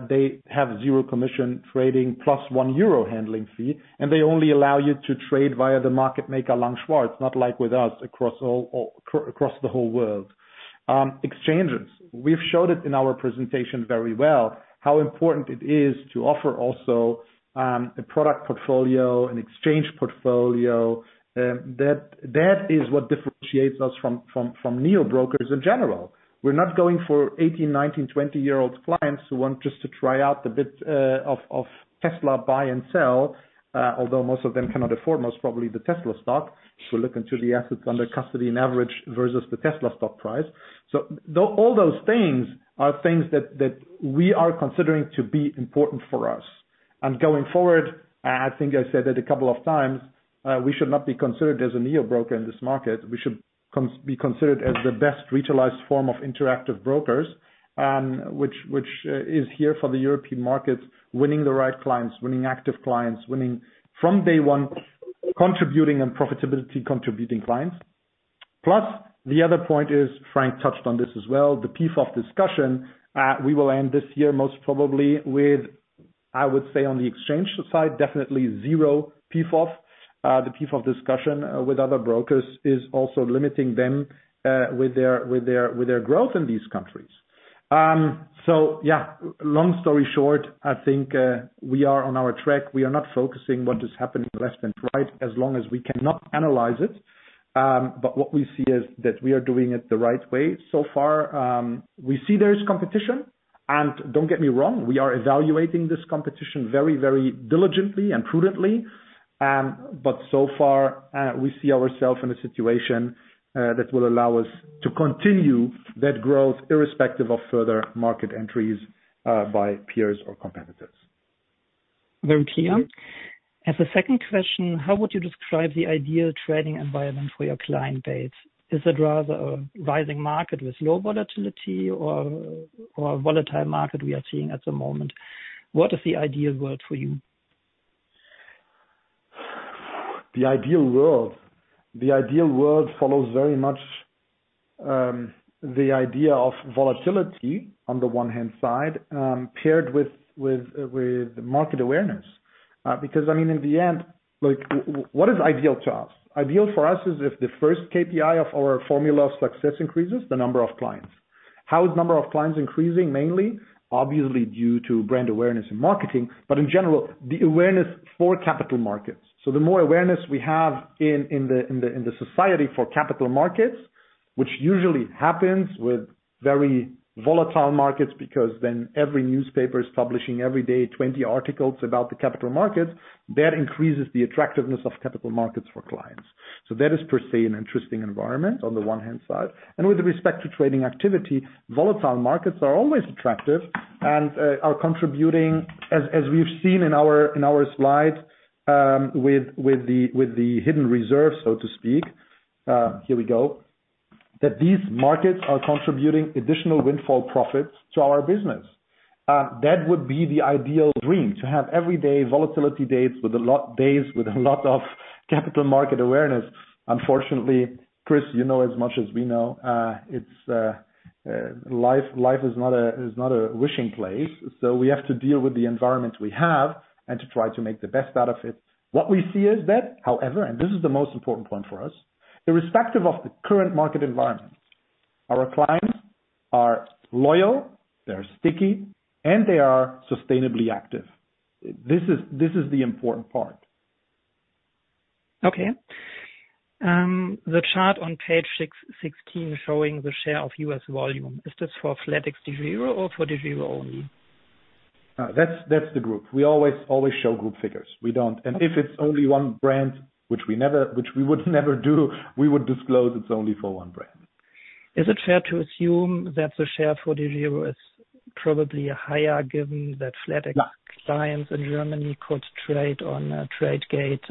they have zero commission trading plus 1 euro handling fee, and they only allow you to trade via the market maker Lang & Schwarz, not like with us across all exchanges across the whole world. We've showed it in our presentation very well, how important it is to offer also a product portfolio, an exchange portfolio. That is what differentiates us from neo-brokers in general. We're not going for 18-, 19-, 20-year-old clients who want just to try out a bit of Tesla buy and sell, although most of them cannot afford most probably the Tesla stock if you look into the assets under custody and average versus the Tesla stock price. All those things are things that we are considering to be important for us. Going forward, I think I said it a couple of times, we should not be considered as a neo-broker in this market. We should be considered as the best regionalized form of Interactive Brokers, which is here for the European markets, winning the right clients, winning active clients, winning from day one, contributing and profitability contributing clients. Plus, the other point is, Frank touched on this as well, the PFOF discussion, we will end this year most probably with, I would say, on the exchange side, definitely zero PFOF. The PFOF discussion with other brokers is also limiting them with their growth in these countries. Yeah, long story short, I think, we are on our track. We are not focusing what is happening left and right as long as we cannot analyze it. What we see is that we are doing it the right way so far. We see there is competition, and don't get me wrong, we are evaluating this competition very, very diligently and prudently. So far, we see ourselves in a situation that will allow us to continue that growth irrespective of further market entries by peers or competitors. Very clear. As a second question, how would you describe the ideal trading environment for your client base? Is it rather a rising market with low volatility or a volatile market we are seeing at the moment? What is the ideal world for you? The ideal world follows very much the idea of volatility on the one hand side, paired with market awareness. Because I mean, in the end, like what is ideal to us? Ideal for us is if the first KPI of our formula of success increases the number of clients. How is the number of clients increasing mainly? Obviously due to brand awareness and marketing, but in general, the awareness for capital markets. The more awareness we have in the society for capital markets, which usually happens with very volatile markets, because then every newspaper is publishing every day 20 articles about the capital markets, that increases the attractiveness of capital markets for clients. That is per se an interesting environment on the one hand side. With respect to trading activity, volatile markets are always attractive and are contributing as we've seen in our slide with the hidden reserve, so to speak. Here we go. That these markets are contributing additional windfall profits to our business. That would be the ideal dream, to have every day volatility days with a lot of capital market awareness. Unfortunately, Chris, you know as much as we know, it's life is not a wishing place. We have to deal with the environment we have and to try to make the best out of it. What we see is that, however, and this is the most important point for us, irrespective of the current market environment, our clients are loyal, they're sticky, and they are sustainably active. This is the important part. Okay. The chart on page 16 showing the share of U.S. volume. Is this for flatexDEGIRO or for DEGIRO only? That's the group. We always show group figures. We don't. If it's only one brand, which we would never do, we would disclose it's only for one brand. Is it fair to assume that the share for DEGIRO is probably higher given that flatex- Yeah Clients in Germany could trade on Tradegate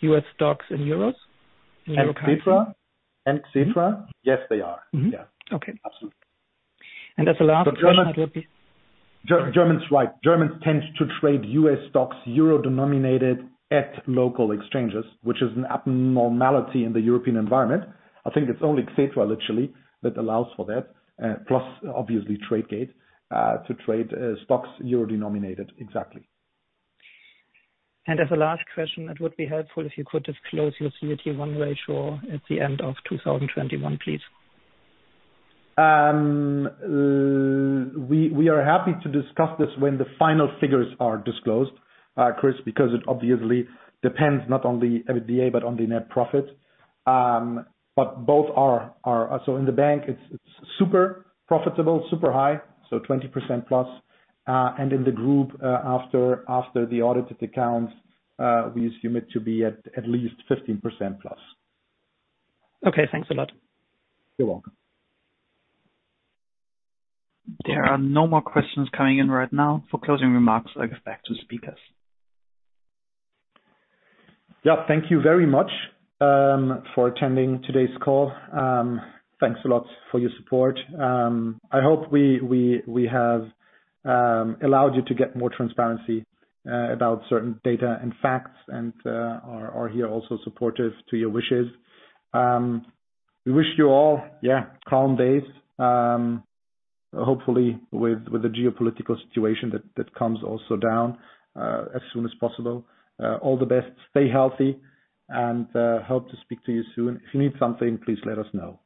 U.S. stocks in euros? Euro currency. etc. Mm-hmm. Yes, they are. Mm-hmm. Yeah. Okay. Absolutely. As a last question. Germans, right. Germans tends to trade U.S. stocks euro-denominated at local exchanges, which is an abnormality in the European environment. I think it's only Xetra literally that allows for that, plus obviously Tradegate, to trade stocks euro-denominated. Exactly. As a last question, it would be helpful if you could disclose your CET1 ratio at the end of 2021, please? We are happy to discuss this when the final figures are disclosed, Chris, because it obviously depends not on the EBITDA but on the net profit. Both are. In the bank it's super profitable, super high, so 20%+. In the group, after the audited accounts, we assume it to be at least 15%+. Okay, thanks a lot. You're welcome. There are no more questions coming in right now. For closing remarks, I give back to speakers. Yeah, thank you very much for attending today's call. Thanks a lot for your support. I hope we have allowed you to get more transparency about certain data and facts and are here also supportive to your wishes. We wish you all calm days, hopefully with the geopolitical situation that calms also down as soon as possible. All the best, stay healthy, and hope to speak to you soon. If you need something, please let us know.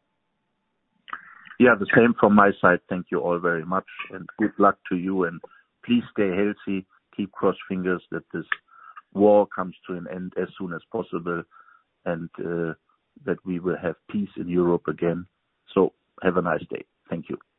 Yeah, the same from my side. Thank you all very much and good luck to you, and please stay healthy. Keep fingers crossed that this war comes to an end as soon as possible, and that we will have peace in Europe again. Have a nice day. Thank you.